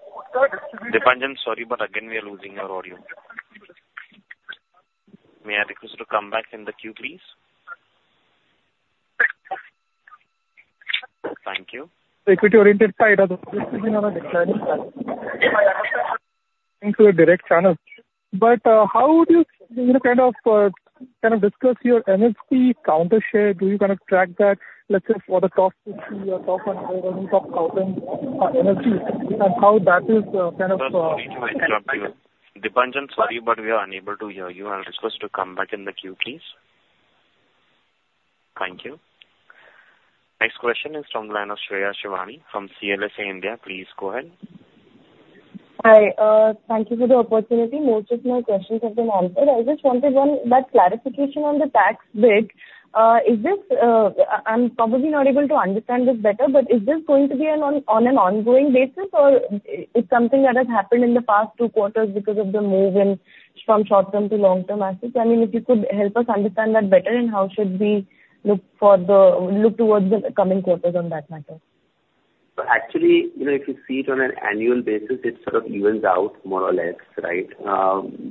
Dipanjan, sorry, but again, we are losing your audio. May I request you to come back in the queue, please? Thank you. The equity-oriented side, either this is, you know, the planning side. Into a direct channel. But, how would you, you know, kind of, kind of, discuss your MFD market share? Do you kind of track that, let's say, for the top 50 or top 100 or top 1,000 MFD, and how that is, kind of, Sir, sorry to interrupt you. Dipanjan, sorry, but we are unable to hear you. I'll request you to come back in the queue, please. Thank you. Next question is from the line of Shreya Shivani from CLSA India. Please go ahead. Hi, thank you for the opportunity. Most of my questions have been answered. I just wanted one, that clarification on the tax bit. Is this... I'm probably not able to understand this better, but is this going to be an ongoing basis, or is something that has happened in the past two quarters because of the move in from short-term to long-term assets? I mean, if you could help us understand that better, and how should we look towards the coming quarters on that matter? So actually, you know, if you see it on an annual basis, it sort of evens out more or less, right?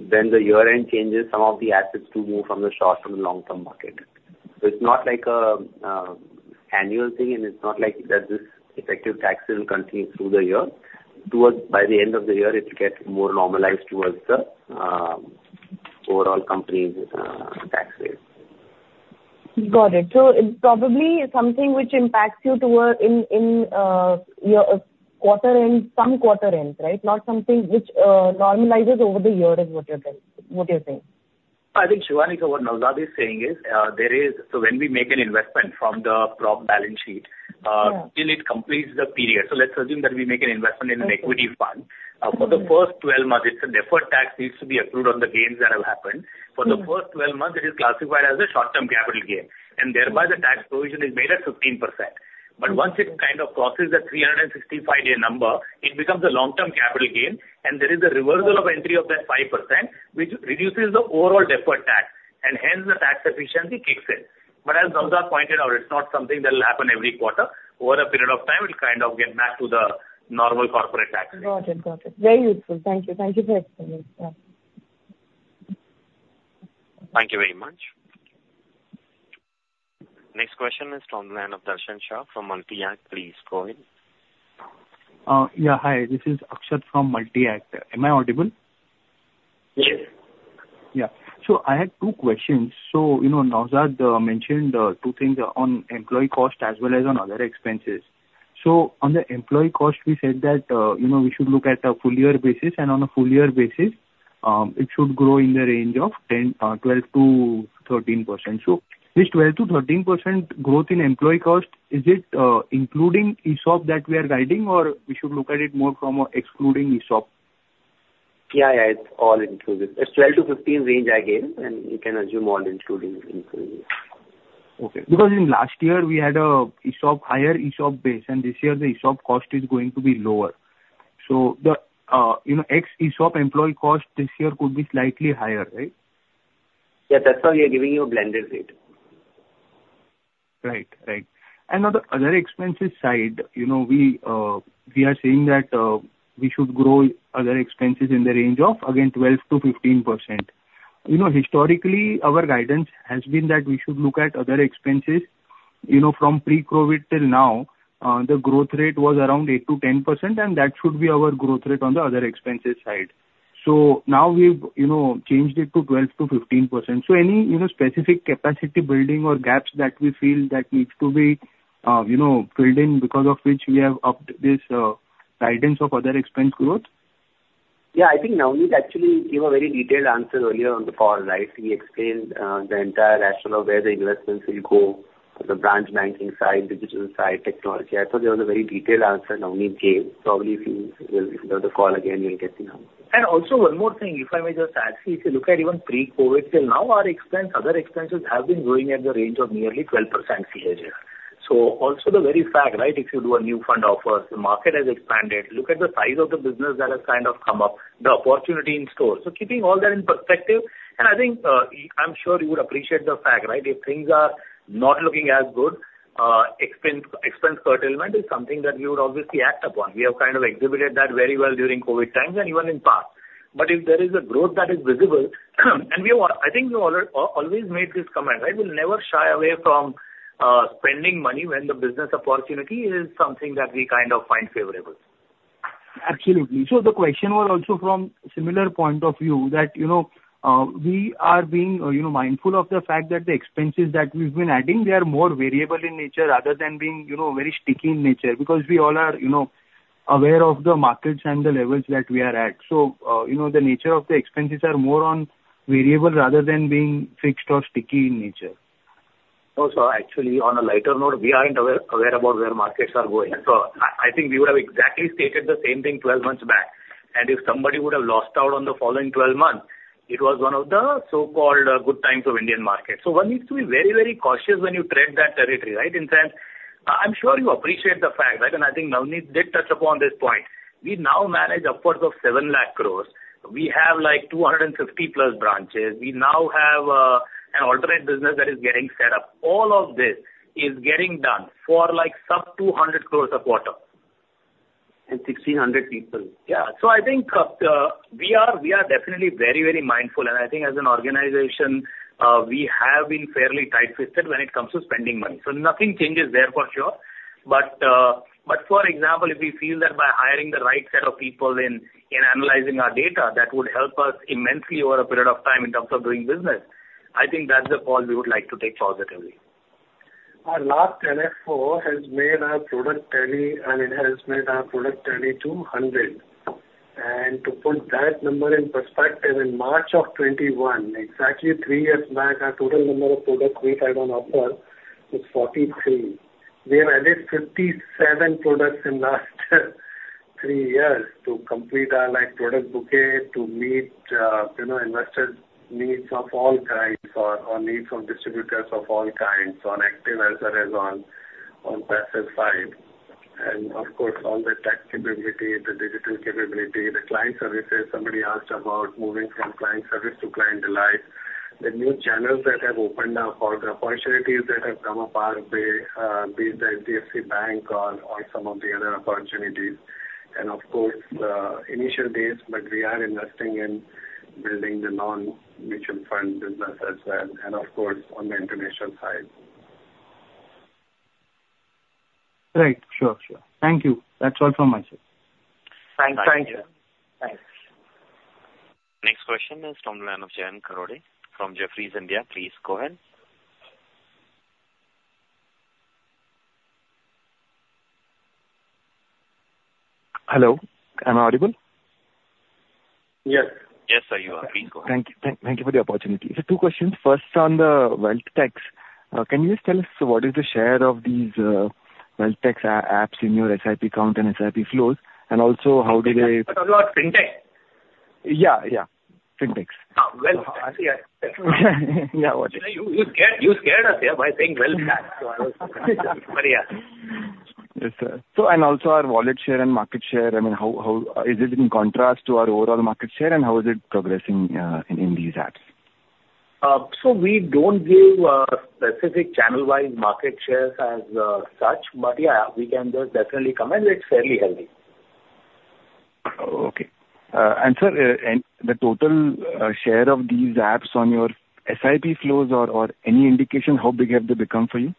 Then the year-end changes, some of the assets do move from the short-term to long-term market. So it's not like an annual thing, and it's not like that this effective tax will continue through the year. By the end of the year, it'll get more normalized toward the overall company's tax rate. Got it. So it's probably something which impacts you toward, in, in, your quarter end, some quarter ends, right? Not something which, normalizes over the year is what you're telling, what you're saying. I think, Shivani, so what Naozad is saying is, there is... So when we make an investment from the prop balance sheet- Yeah Till it completes the period. So let's assume that we make an investment in an equity fund. For the first 12 months, it's a deferred tax needs to be accrued on the gains that have happened. For the first 12 months, it is classified as a short-term capital gain, and thereby the tax provision is made at 15%. But once it kind of crosses the 365-day number, it becomes a long-term capital gain, and there is a reversal of entry of that 5%, which reduces the overall deferred tax, and hence the tax efficiency kicks in. But as Naozad pointed out, it's not something that will happen every quarter. Over a period of time, it'll kind of get back to the normal corporate tax rate. Got it. Got it. Very useful. Thank you. Thank you for explaining. Yeah. Thank you very much. Next question is from the line of Darshan Shah from Multi-Act. Please go ahead. Yeah, hi, this is Akshat from Multi-Act. Am I audible? Yes. Yeah. So I had two questions. So, you know, Naozad mentioned two things on employee cost as well as on other expenses. So on the employee cost, we said that, you know, we should look at a full year basis, and on a full year basis, it should grow in the range of 10, 12%-13%. So this 12%-13% growth in employee cost, is it including ESOP that we are guiding, or we should look at it more from excluding ESOP? Yeah, yeah, it's all included. It's 12-15 range I gave, and you can assume all including, including. Okay. Because in last year we had an ESOP, higher ESOP base, and this year the ESOP cost is going to be lower. So the, you know, ex ESOP employee cost this year could be slightly higher, right? Yeah, that's why we are giving you a blended rate. Right. Right. And on the other expenses side, you know, we, we are saying that, we should grow other expenses in the range of, again, 12%-15%. You know, historically, our guidance has been that we should look at other expenses. You know, from pre-COVID till now, the growth rate was around 8%-10%, and that should be our growth rate on the other expenses side. So now we've, you know, changed it to 12%-15%. So any, you know, specific capacity building or gaps that we feel that needs to be, you know, filled in because of which we have upped this, guidance of other expense growth? Yeah, I think Navneet actually gave a very detailed answer earlier on the call, right? He explained the entire rationale of where the investments will go, the branch banking side, digital side, technology. I thought that was a very detailed answer Navneet gave. Probably, if you have the call again, you'll get to know. And also one more thing, if I may just add. If you look at even pre-COVID till now, our expense, other expenses have been growing at the range of nearly 12% year-over-year. So also the very fact, right, if you do a new fund offers, the market has expanded. Look at the size of the business that has kind of come up, the opportunity in store. So keeping all that in perspective, and I think, I'm sure you would appreciate the fact, right, if things are not looking as good, expense curtailment is something that we would obviously act upon. We have kind of exhibited that very well during COVID times and even in past. But if there is a growth that is visible, and we want... I think we always made this comment, I will never shy away from spending money when the business opportunity is something that we kind of find favorable. Absolutely. So the question was also from similar point of view, that, you know, we are being, you know, mindful of the fact that the expenses that we've been adding, they are more variable in nature other than being, you know, very sticky in nature. Because we all are, you know, aware of the markets and the levels that we are at. So, you know, the nature of the expenses are more on variable rather than being fixed or sticky in nature. No, sir, actually, on a lighter note, we aren't aware about where markets are going. So I think we would have exactly stated the same thing 12 months back. And if somebody would have lost out on the following 12 months, it was one of the so-called good times of Indian market. So one needs to be very, very cautious when you tread that territory, right? In fact, I'm sure you appreciate the fact, right, and I think Navneet did touch upon this point. We now manage upwards of 700,000 crore. We have, like, 250-plus branches. We now have an alternative business that is getting set up. All of this is getting done for, like, sub 200 crore of quarter. 1,600 people. Yeah. So I think, we are definitely very, very mindful, and I think as an organization, we have been fairly tight-fisted when it comes to spending money. So nothing changes there for sure. But, for example, if we feel that by hiring the right set of people in analyzing our data, that would help us immensely over a period of time in terms of doing business, I think that's a call we would like to take positively. Our last NFO has made our product journey, and it has made our product journey to 100. To put that number in perspective, in March of 2021, exactly three years back, our total number of products we had on offer was 43. We have added 57 products in last three years to complete our, like, product bouquet to meet, you know, investors' needs of all kinds or, or needs of distributors of all kinds on active as well as on, on passive side. And of course, all the tech capability, the digital capability, the client services. Somebody asked about moving from client service to client delight. The new channels that have opened up, or the opportunities that have come our way, be the HDFC Bank or, or some of the other opportunities. Of course, the initial days, but we are investing in building the non-mutual fund business as well, and of course, on the international side. Right. Sure, sure. Thank you. That's all from my side. Thank you. Thank you. Thanks. Next question is from the line of Jayant Kharote from Jefferies India. Please go ahead. Hello, am I audible? Yes. Yes, sir, you are. Please go ahead. Thank you. Thank you for the opportunity. So two questions. First, on the WealthTechs, can you just tell us what is the share of these wealth techs apps in your SIP count and SIP flows? And also, how do they- You are talking about Fintech? Yeah, yeah, Fintechs. Uh, well, Yeah, got it. You scared us here by saying wealth tech. So I was... But, yeah. Yes, sir. So and also our wallet share and market share, I mean, how is it in contrast to our overall market share, and how is it progressing in these apps? We don't give specific channel-wise market shares as such, but yeah, we can just definitely comment. It's fairly healthy. Okay. And sir, and the total share of these apps on your SIP flows or any indication how big have they become for you?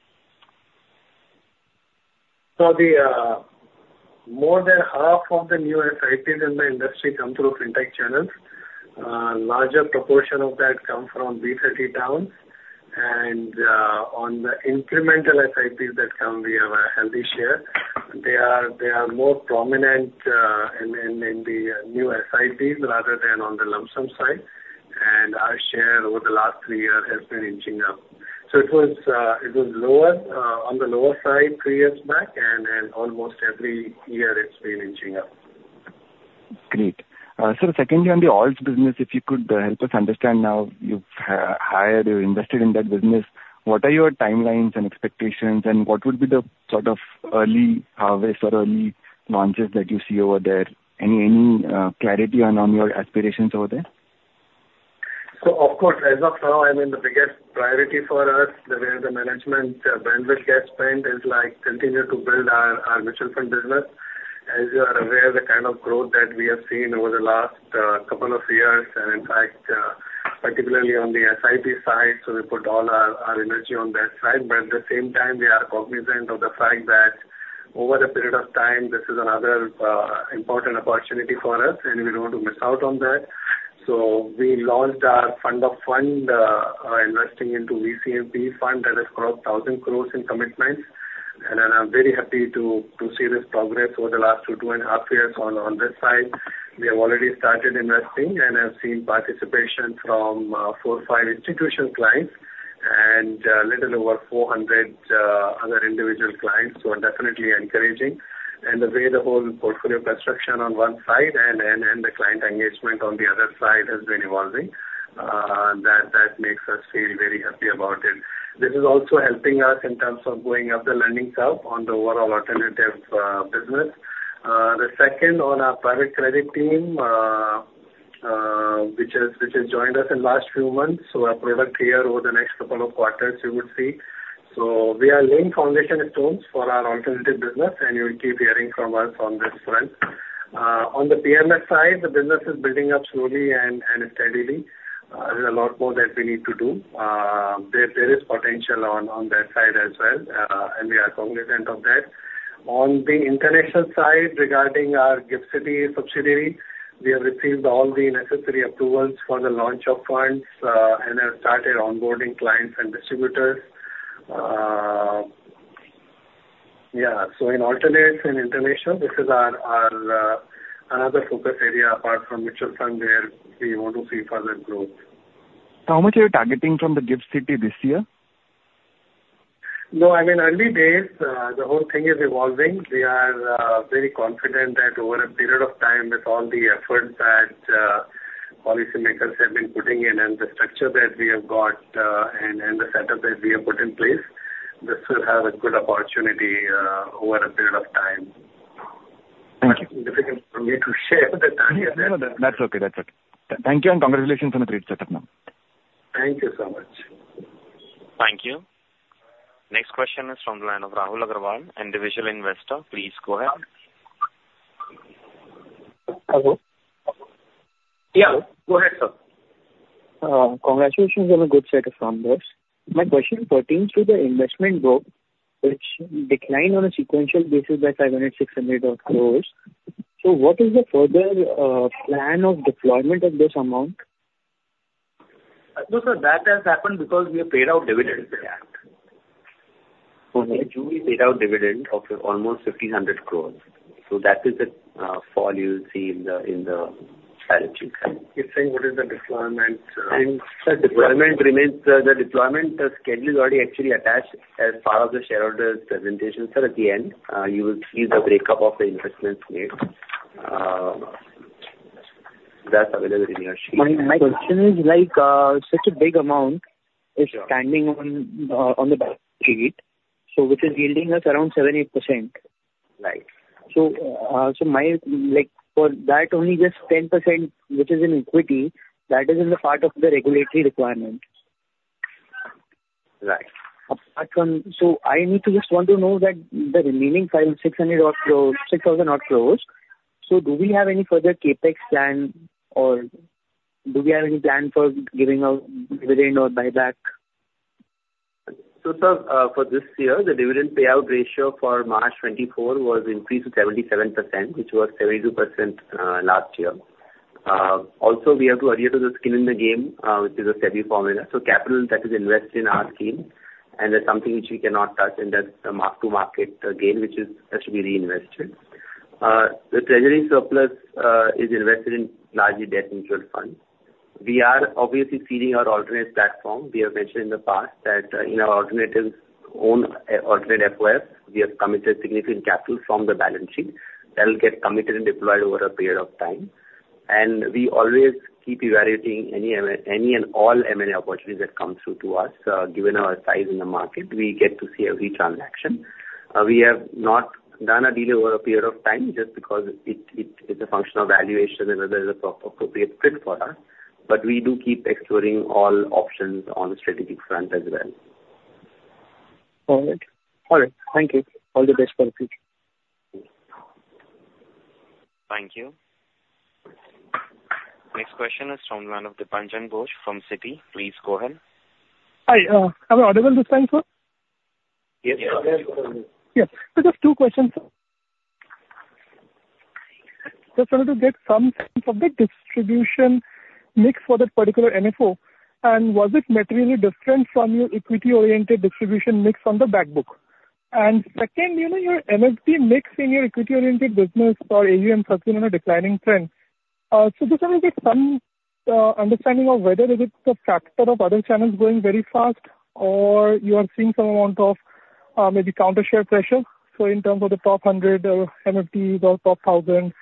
So the more than half of the new SIPs in the industry come through Fintech channels. Larger proportion of that come from B30 towns. And on the incremental SIPs that come, we have a healthy share. They are more prominent in the new SIPs rather than on the lump sum side. And our share over the last three years has been inching up. So it was lower on the lower side three years back, and almost every year it's been inching up. Great. Sir, secondly, on the alts business, if you could help us understand now you've hired, you've invested in that business. What are your timelines and expectations, and what would be the sort of early harvest or early launches that you see over there? Any clarity on your aspirations over there? So of course, as of now, I mean, the biggest priority for us, the way the management bandwidth gets spent, is like continue to build our mutual fund business. As you are aware, the kind of growth that we have seen over the last couple of years, and in fact, particularly on the SIP side, so we put all our energy on that side. But at the same time, we are cognizant of the fact that over a period of time, this is another important opportunity for us, and we don't want to miss out on that. So we launched our fund of fund investing into VC and PE fund that is around 1,000 crore in commitments. And then I'm very happy to see this progress over the last two and a half years on this side. We have already started investing and have seen participation from 4-5 institutional clients and little over 400 other individual clients, so definitely encouraging. The way the whole portfolio construction on one side and the client engagement on the other side has been evolving, that makes us feel very happy about it. This is also helping us in terms of going up the learning curve on the overall alternative business. The second on our private credit team, which has joined us in last few months, so a product here over the next couple of quarters you would see. So we are laying foundation stones for our alternative business, and you will keep hearing from us on this front. On the PMS side, the business is building up slowly and steadily. There's a lot more that we need to do. There, there is potential on, on that side as well, and we are cognizant of that. On the international side, regarding our GIFT City subsidiary, we have received all the necessary approvals for the launch of funds, and have started onboarding clients and distributors. Yeah, so in alternatives and international, this is our, our, another focus area apart from mutual fund, where we want to see further growth. How much are you targeting from the GIFT City this year? No, I mean, early days, the whole thing is evolving. We are very confident that over a period of time, with all the efforts that policymakers have been putting in and the structure that we have got, and, and the setup that we have put in place, this will have a good opportunity over a period of time. Thank you. Difficult for me to share the time here. No, no, that's okay. That's okay. Thank you, and congratulations on a great set-up now. Thank you so much. Thank you. Next question is from the line of Rahul Aggarwal, individual investor. Please go ahead. Hello? Yeah. Go ahead, sir. Congratulations on a good set of numbers. My question pertains to the investment growth, which declined on a sequential basis by 500-600 crore. So what is the further plan of deployment of this amount? No, sir, that has happened because we have paid out dividends. Okay. In July, we paid out dividend of almost 1,500 crore. So that is the fall you'll see in the balance sheet. You're saying what is the deployment, Sir, deployment remains, the deployment, schedule is already actually attached as part of the shareholder presentation. Sir, at the end, you will see the breakup of the investments made. That's available in your sheet. My question is like, such a big amount- Sure. is standing on, on the balance sheet, so which is yielding us around 7%-8%. Right. So, like, for that only, just 10%, which is in equity, that is in the part of the regulatory requirement. Right. So I need to just want to know that the remaining 500-600 odd crores, 6,000 odd crores, so do we have any further CapEx plan, or do we have any plan for giving out dividend or buyback? So, sir, for this year, the dividend payout ratio for March 2024 was increased to 77%, which was 72%, last year. Also, we have to adhere to the skin in the game, which is a SEBI formula. So capital that is invested in our scheme, and that's something which we cannot touch, and that's the mark-to-market gain, which is, that should be reinvested. The treasury surplus is invested in largely debt mutual funds. We are obviously seeding our alternate platform. We have mentioned in the past that, in our alternatives, own, alternate FOF, we have committed significant capital from the balance sheet. That will get committed and deployed over a period of time. And we always keep evaluating any and all M&A opportunities that come through to us. Given our size in the market, we get to see every transaction. We have not done a deal over a period of time just because it is a function of valuation and whether it's an appropriate fit for us, but we do keep exploring all options on the strategic front as well. All right. All right, thank you. All the best for the future. Thank you. Next question is from the line of Dipanjan Ghosh from Citi. Please go ahead. Hi, am I audible this time, sir? Yes, you are. Yes, you are audible. Yeah. So just two questions, sir. Just wanted to get some sense of the distribution mix for that particular NFO, and was it materially different from your equity-oriented distribution mix on the back book? And second, you know, your MFD mix in your equity-oriented business for Asia Pacific are on a declining trend. So just wanted to get some understanding of whether it is the factor of other channels growing very fast, or you are seeing some amount of, maybe channel share pressure. So in terms of the top 100, MFDs or top 1,000,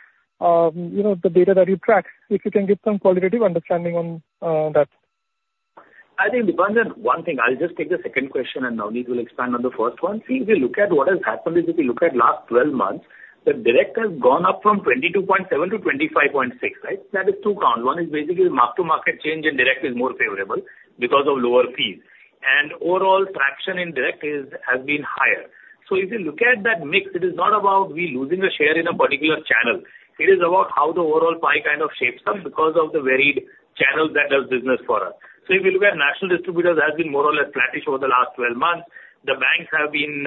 you know, the data that you track, if you can give some qualitative understanding on, that. I think, Dipanjan, one thing, I'll just take the second question, and Navneet will expand on the first one. See, if you look at what has happened is if you look at last twelve months, the direct has gone up from 22.7 to 25.6, right? That is two count. One is basically mark-to-market change, and direct is more favorable because of lower fees. And overall traction in direct is, has been higher. So if you look at that mix, it is not about we losing a share in a particular channel. It is about how the overall pie kind of shapes up because of the varied channels that does business for us. So if you look at national distributors, has been more or less flattish over the last twelve months. The banks have been,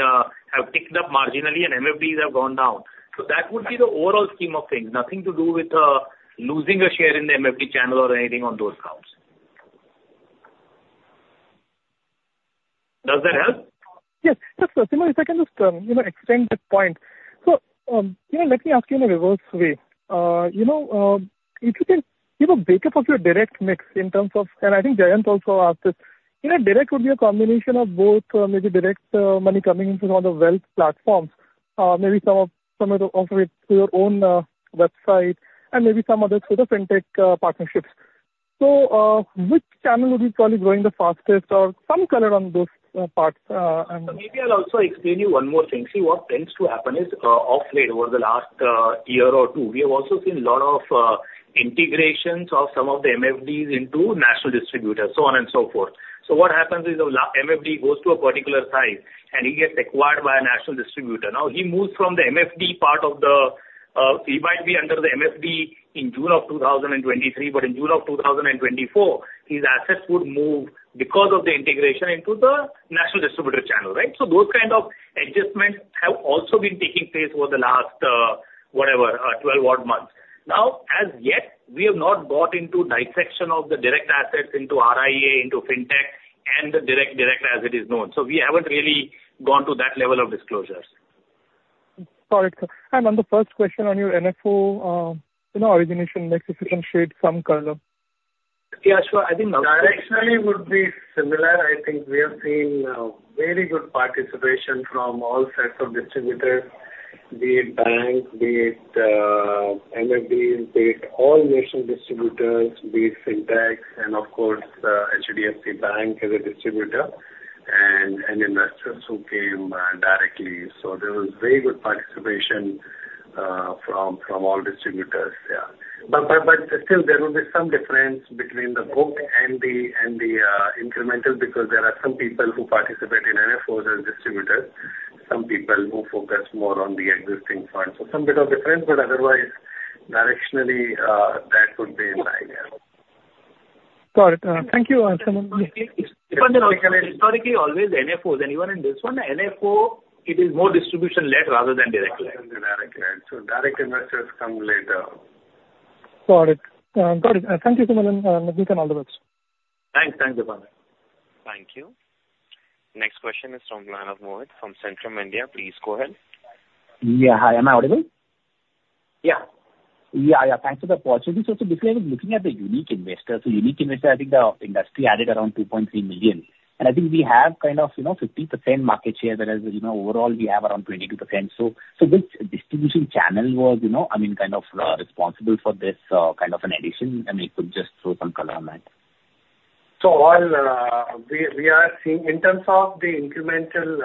have ticked up marginally, and MFDs have gone down. So that would be the overall scheme of things. Nothing to do with losing a share in the MFD channel or anything on those counts. Does that help? Yes. Yes, sir. So if I can just, you know, extend that point. So, you know, let me ask you in a reverse way. You know, if you can, you know, break up of your direct mix in terms of... And I think Jayant also asked this. You know, direct would be a combination of both, maybe direct, money coming in from the wealth platforms, maybe some of, some of it through your own, website, and maybe some other through the fintech, partnerships. So, which channel would be probably growing the fastest or some color on those, parts, and- Maybe I'll also explain you one more thing. See, what tends to happen is, of late, over the last, year or two, we have also seen a lot of, integrations of some of the MFDs into national distributors, so on and so forth. So what happens is, the MFD goes to a particular size, and he gets acquired by a national distributor. Now, he moves from the MFD part of the. He might be under the MFD in June of 2023, but in June of 2024, his assets would move because of the integration into the national distributor channel, right? So those kind of adjustments have also been taking place over the last, whatever, 12 odd months. Now, as yet, we have not got into dissection of the direct assets into RIA, into Fintech and the direct, direct as it is known. So we haven't really gone to that level of disclosures. Got it, sir. And on the first question, on your NFO, you know, origination, like, if you can shed some color? Yeah, sure. I think- Directionally would be similar. I think we have seen very good participation from all sets of distributors, be it banks, be it MFDs, be it all national distributors, be it Fintech, and of course HDFC Bank as a distributor, and investors who came directly. So there was very good participation from all distributors. Yeah. But still there will be some difference between the book and the incremental, because there are some people who participate in NFO as distributors, some people who focus more on the existing funds. So some bit of difference, but otherwise directionally that would be my idea. Got it. Thank you, Naozad. Historically, always NFOs and even in this one, NFO, it is more distribution-led rather than direct-led. Than the direct-led, so direct investors come later. Got it. Got it. Thank you so much, and wish you all the best. Thanks. Thank you, Pankaj. Thank you. Next question is from the line of Mohit from Centrum Broking. Please go ahead. Yeah, hi, am I audible? Yeah. Yeah, yeah, thanks for the opportunity. So basically, I was looking at the unique investors. So unique investors, I think the industry added around 2.3 million, and I think we have kind of, you know, 50% market share, whereas, you know, overall, we have around 22%. So, so which distribution channel was, you know, I mean, kind of, responsible for this, kind of an addition? I mean, could just throw some color on that? So all, we are seeing in terms of the incremental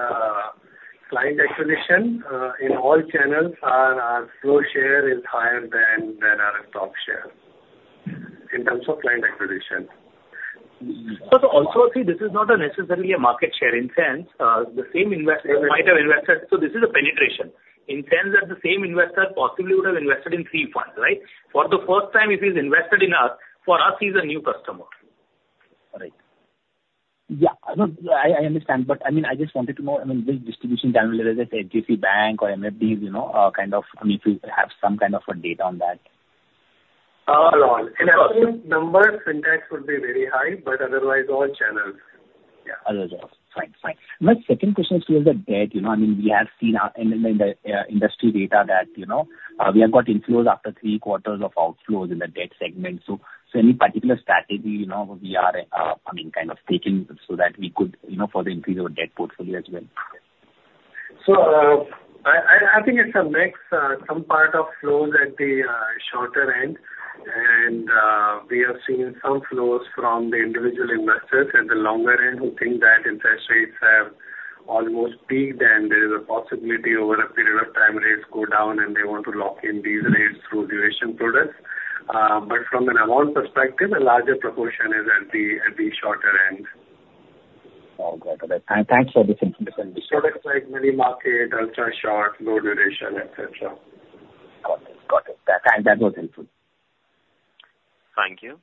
client acquisition in all channels, our flow share is higher than our top share, in terms of client acquisition. So, also, see, this is not necessarily a market share in sense. The same investor might have invested, so this is a penetration. In sense that the same investor possibly would have invested in three funds, right? For the first time he has invested in us, for us, he's a new customer. Right. Yeah, no, I, I understand, but I mean, I just wanted to know, I mean, which distribution channel, whether it's HDFC Bank or MFDs, you know, kind of, I mean, if you have some kind of a data on that. All, in absolute numbers, Fintech would be very high, but otherwise, all channels. Yeah. Otherwise, all fine. Fine. My second question is with the debt, you know, I mean, we have seen, in the industry data that, you know, we have got inflows after three quarters of outflows in the debt segment. So, any particular strategy, you know, we are, I mean, kind of taking, so that we could, you know, further increase our debt portfolio as well? So, I think it's a mix, some part of flows at the shorter end, and we have seen some flows from the individual investors at the longer end, who think that interest rates have almost peaked, and there is a possibility over a period of time rates go down, and they want to lock in these rates through duration products. But from an amount perspective, a larger proportion is at the shorter end. Oh, got it. And thanks for the information. Products like money market, ultra short, low duration, et cetera. Got it. Got it. That, that was helpful. Thank you.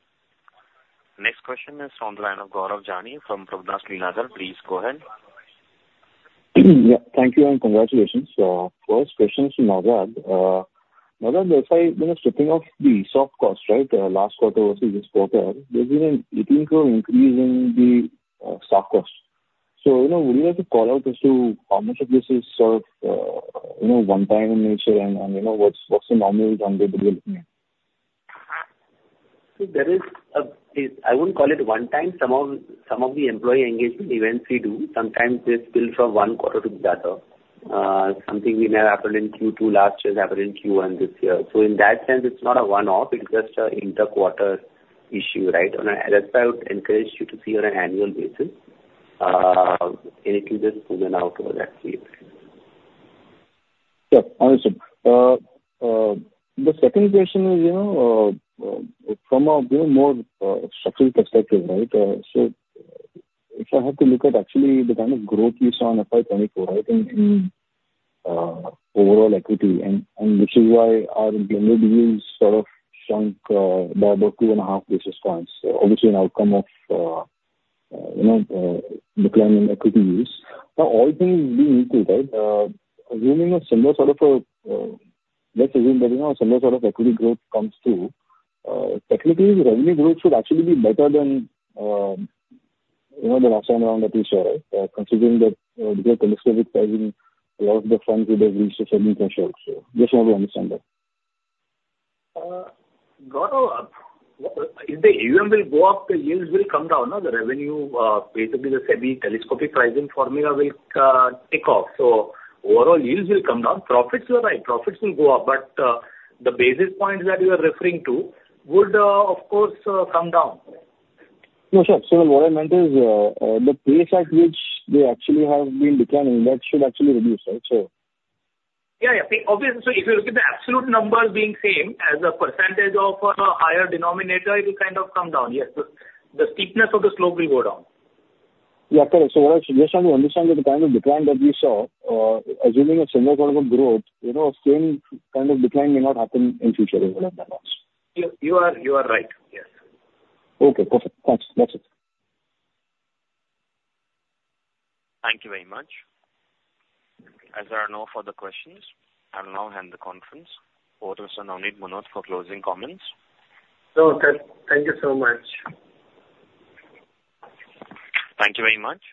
Next question is from the line of Gaurav Jani from Prabhudas Lilladher. Please go ahead. Yeah, thank you, and congratulations. First question to Naozad. Naozad, if I, you know, stripping off the soft costs, right? Last quarter versus this quarter, there's been an 18 crore increase in the, stock costs. So, you know, would you have to call out as to how much of this is sort of, you know, one time in nature, and, and you know, what's, what's the normal run rate it will be? So there is, it I wouldn't call it one time. Some of the employee engagement events we do, sometimes they spill from one quarter to the other. Something we may have happened in Q2 last year, happened in Q1 this year. So in that sense, it's not a one-off, it's just a inter quarter issue, right? That's why I would encourage you to see on an annual basis, and it will just even out over that period. Yeah. Understood. The second question is, you know, from a, you know, more structural perspective, right? So if I have to look at actually the kind of growth we saw in FY 2024, I think, overall equity, and this is why our NIM is sort of shrunk by about 2.5 basis points. Obviously, an outcome of, you know, decline in equity yields. Now, all things being equal, right, assuming a similar sort of, let's assume that, you know, similar sort of equity growth comes through, technically the revenue growth should actually be better than, you know, the last time around that we saw, right? Considering that, there are telescopic pricing, a lot of the funds would have reached a certain threshold. So just want to understand that. Gaurav, if the AUM will go up, the yields will come down, no? The revenue, basically the SEBI telescopic pricing formula will take off. So overall yields will come down. Profits, you are right, profits will go up, but the basis points that you are referring to would, of course, come down. No, sure. So what I meant is, the pace at which they actually have been declining, that should actually reduce, right? So. Yeah, yeah. Obviously, so if you look at the absolute numbers being same as a percentage of a higher denominator, it will kind of come down. Yes, the steepness of the slope will go down. Yeah, correct. So I just want to understand that the kind of decline that we saw, assuming a similar kind of a growth, you know, same kind of decline may not happen in future, is what I meant. You are right, yes. Okay, perfect. Thanks. That's it. Thank you very much. As there are no further questions, I will now end the conference. Over to Sunit Manoj for closing comments. Thank you so much. Thank you very much.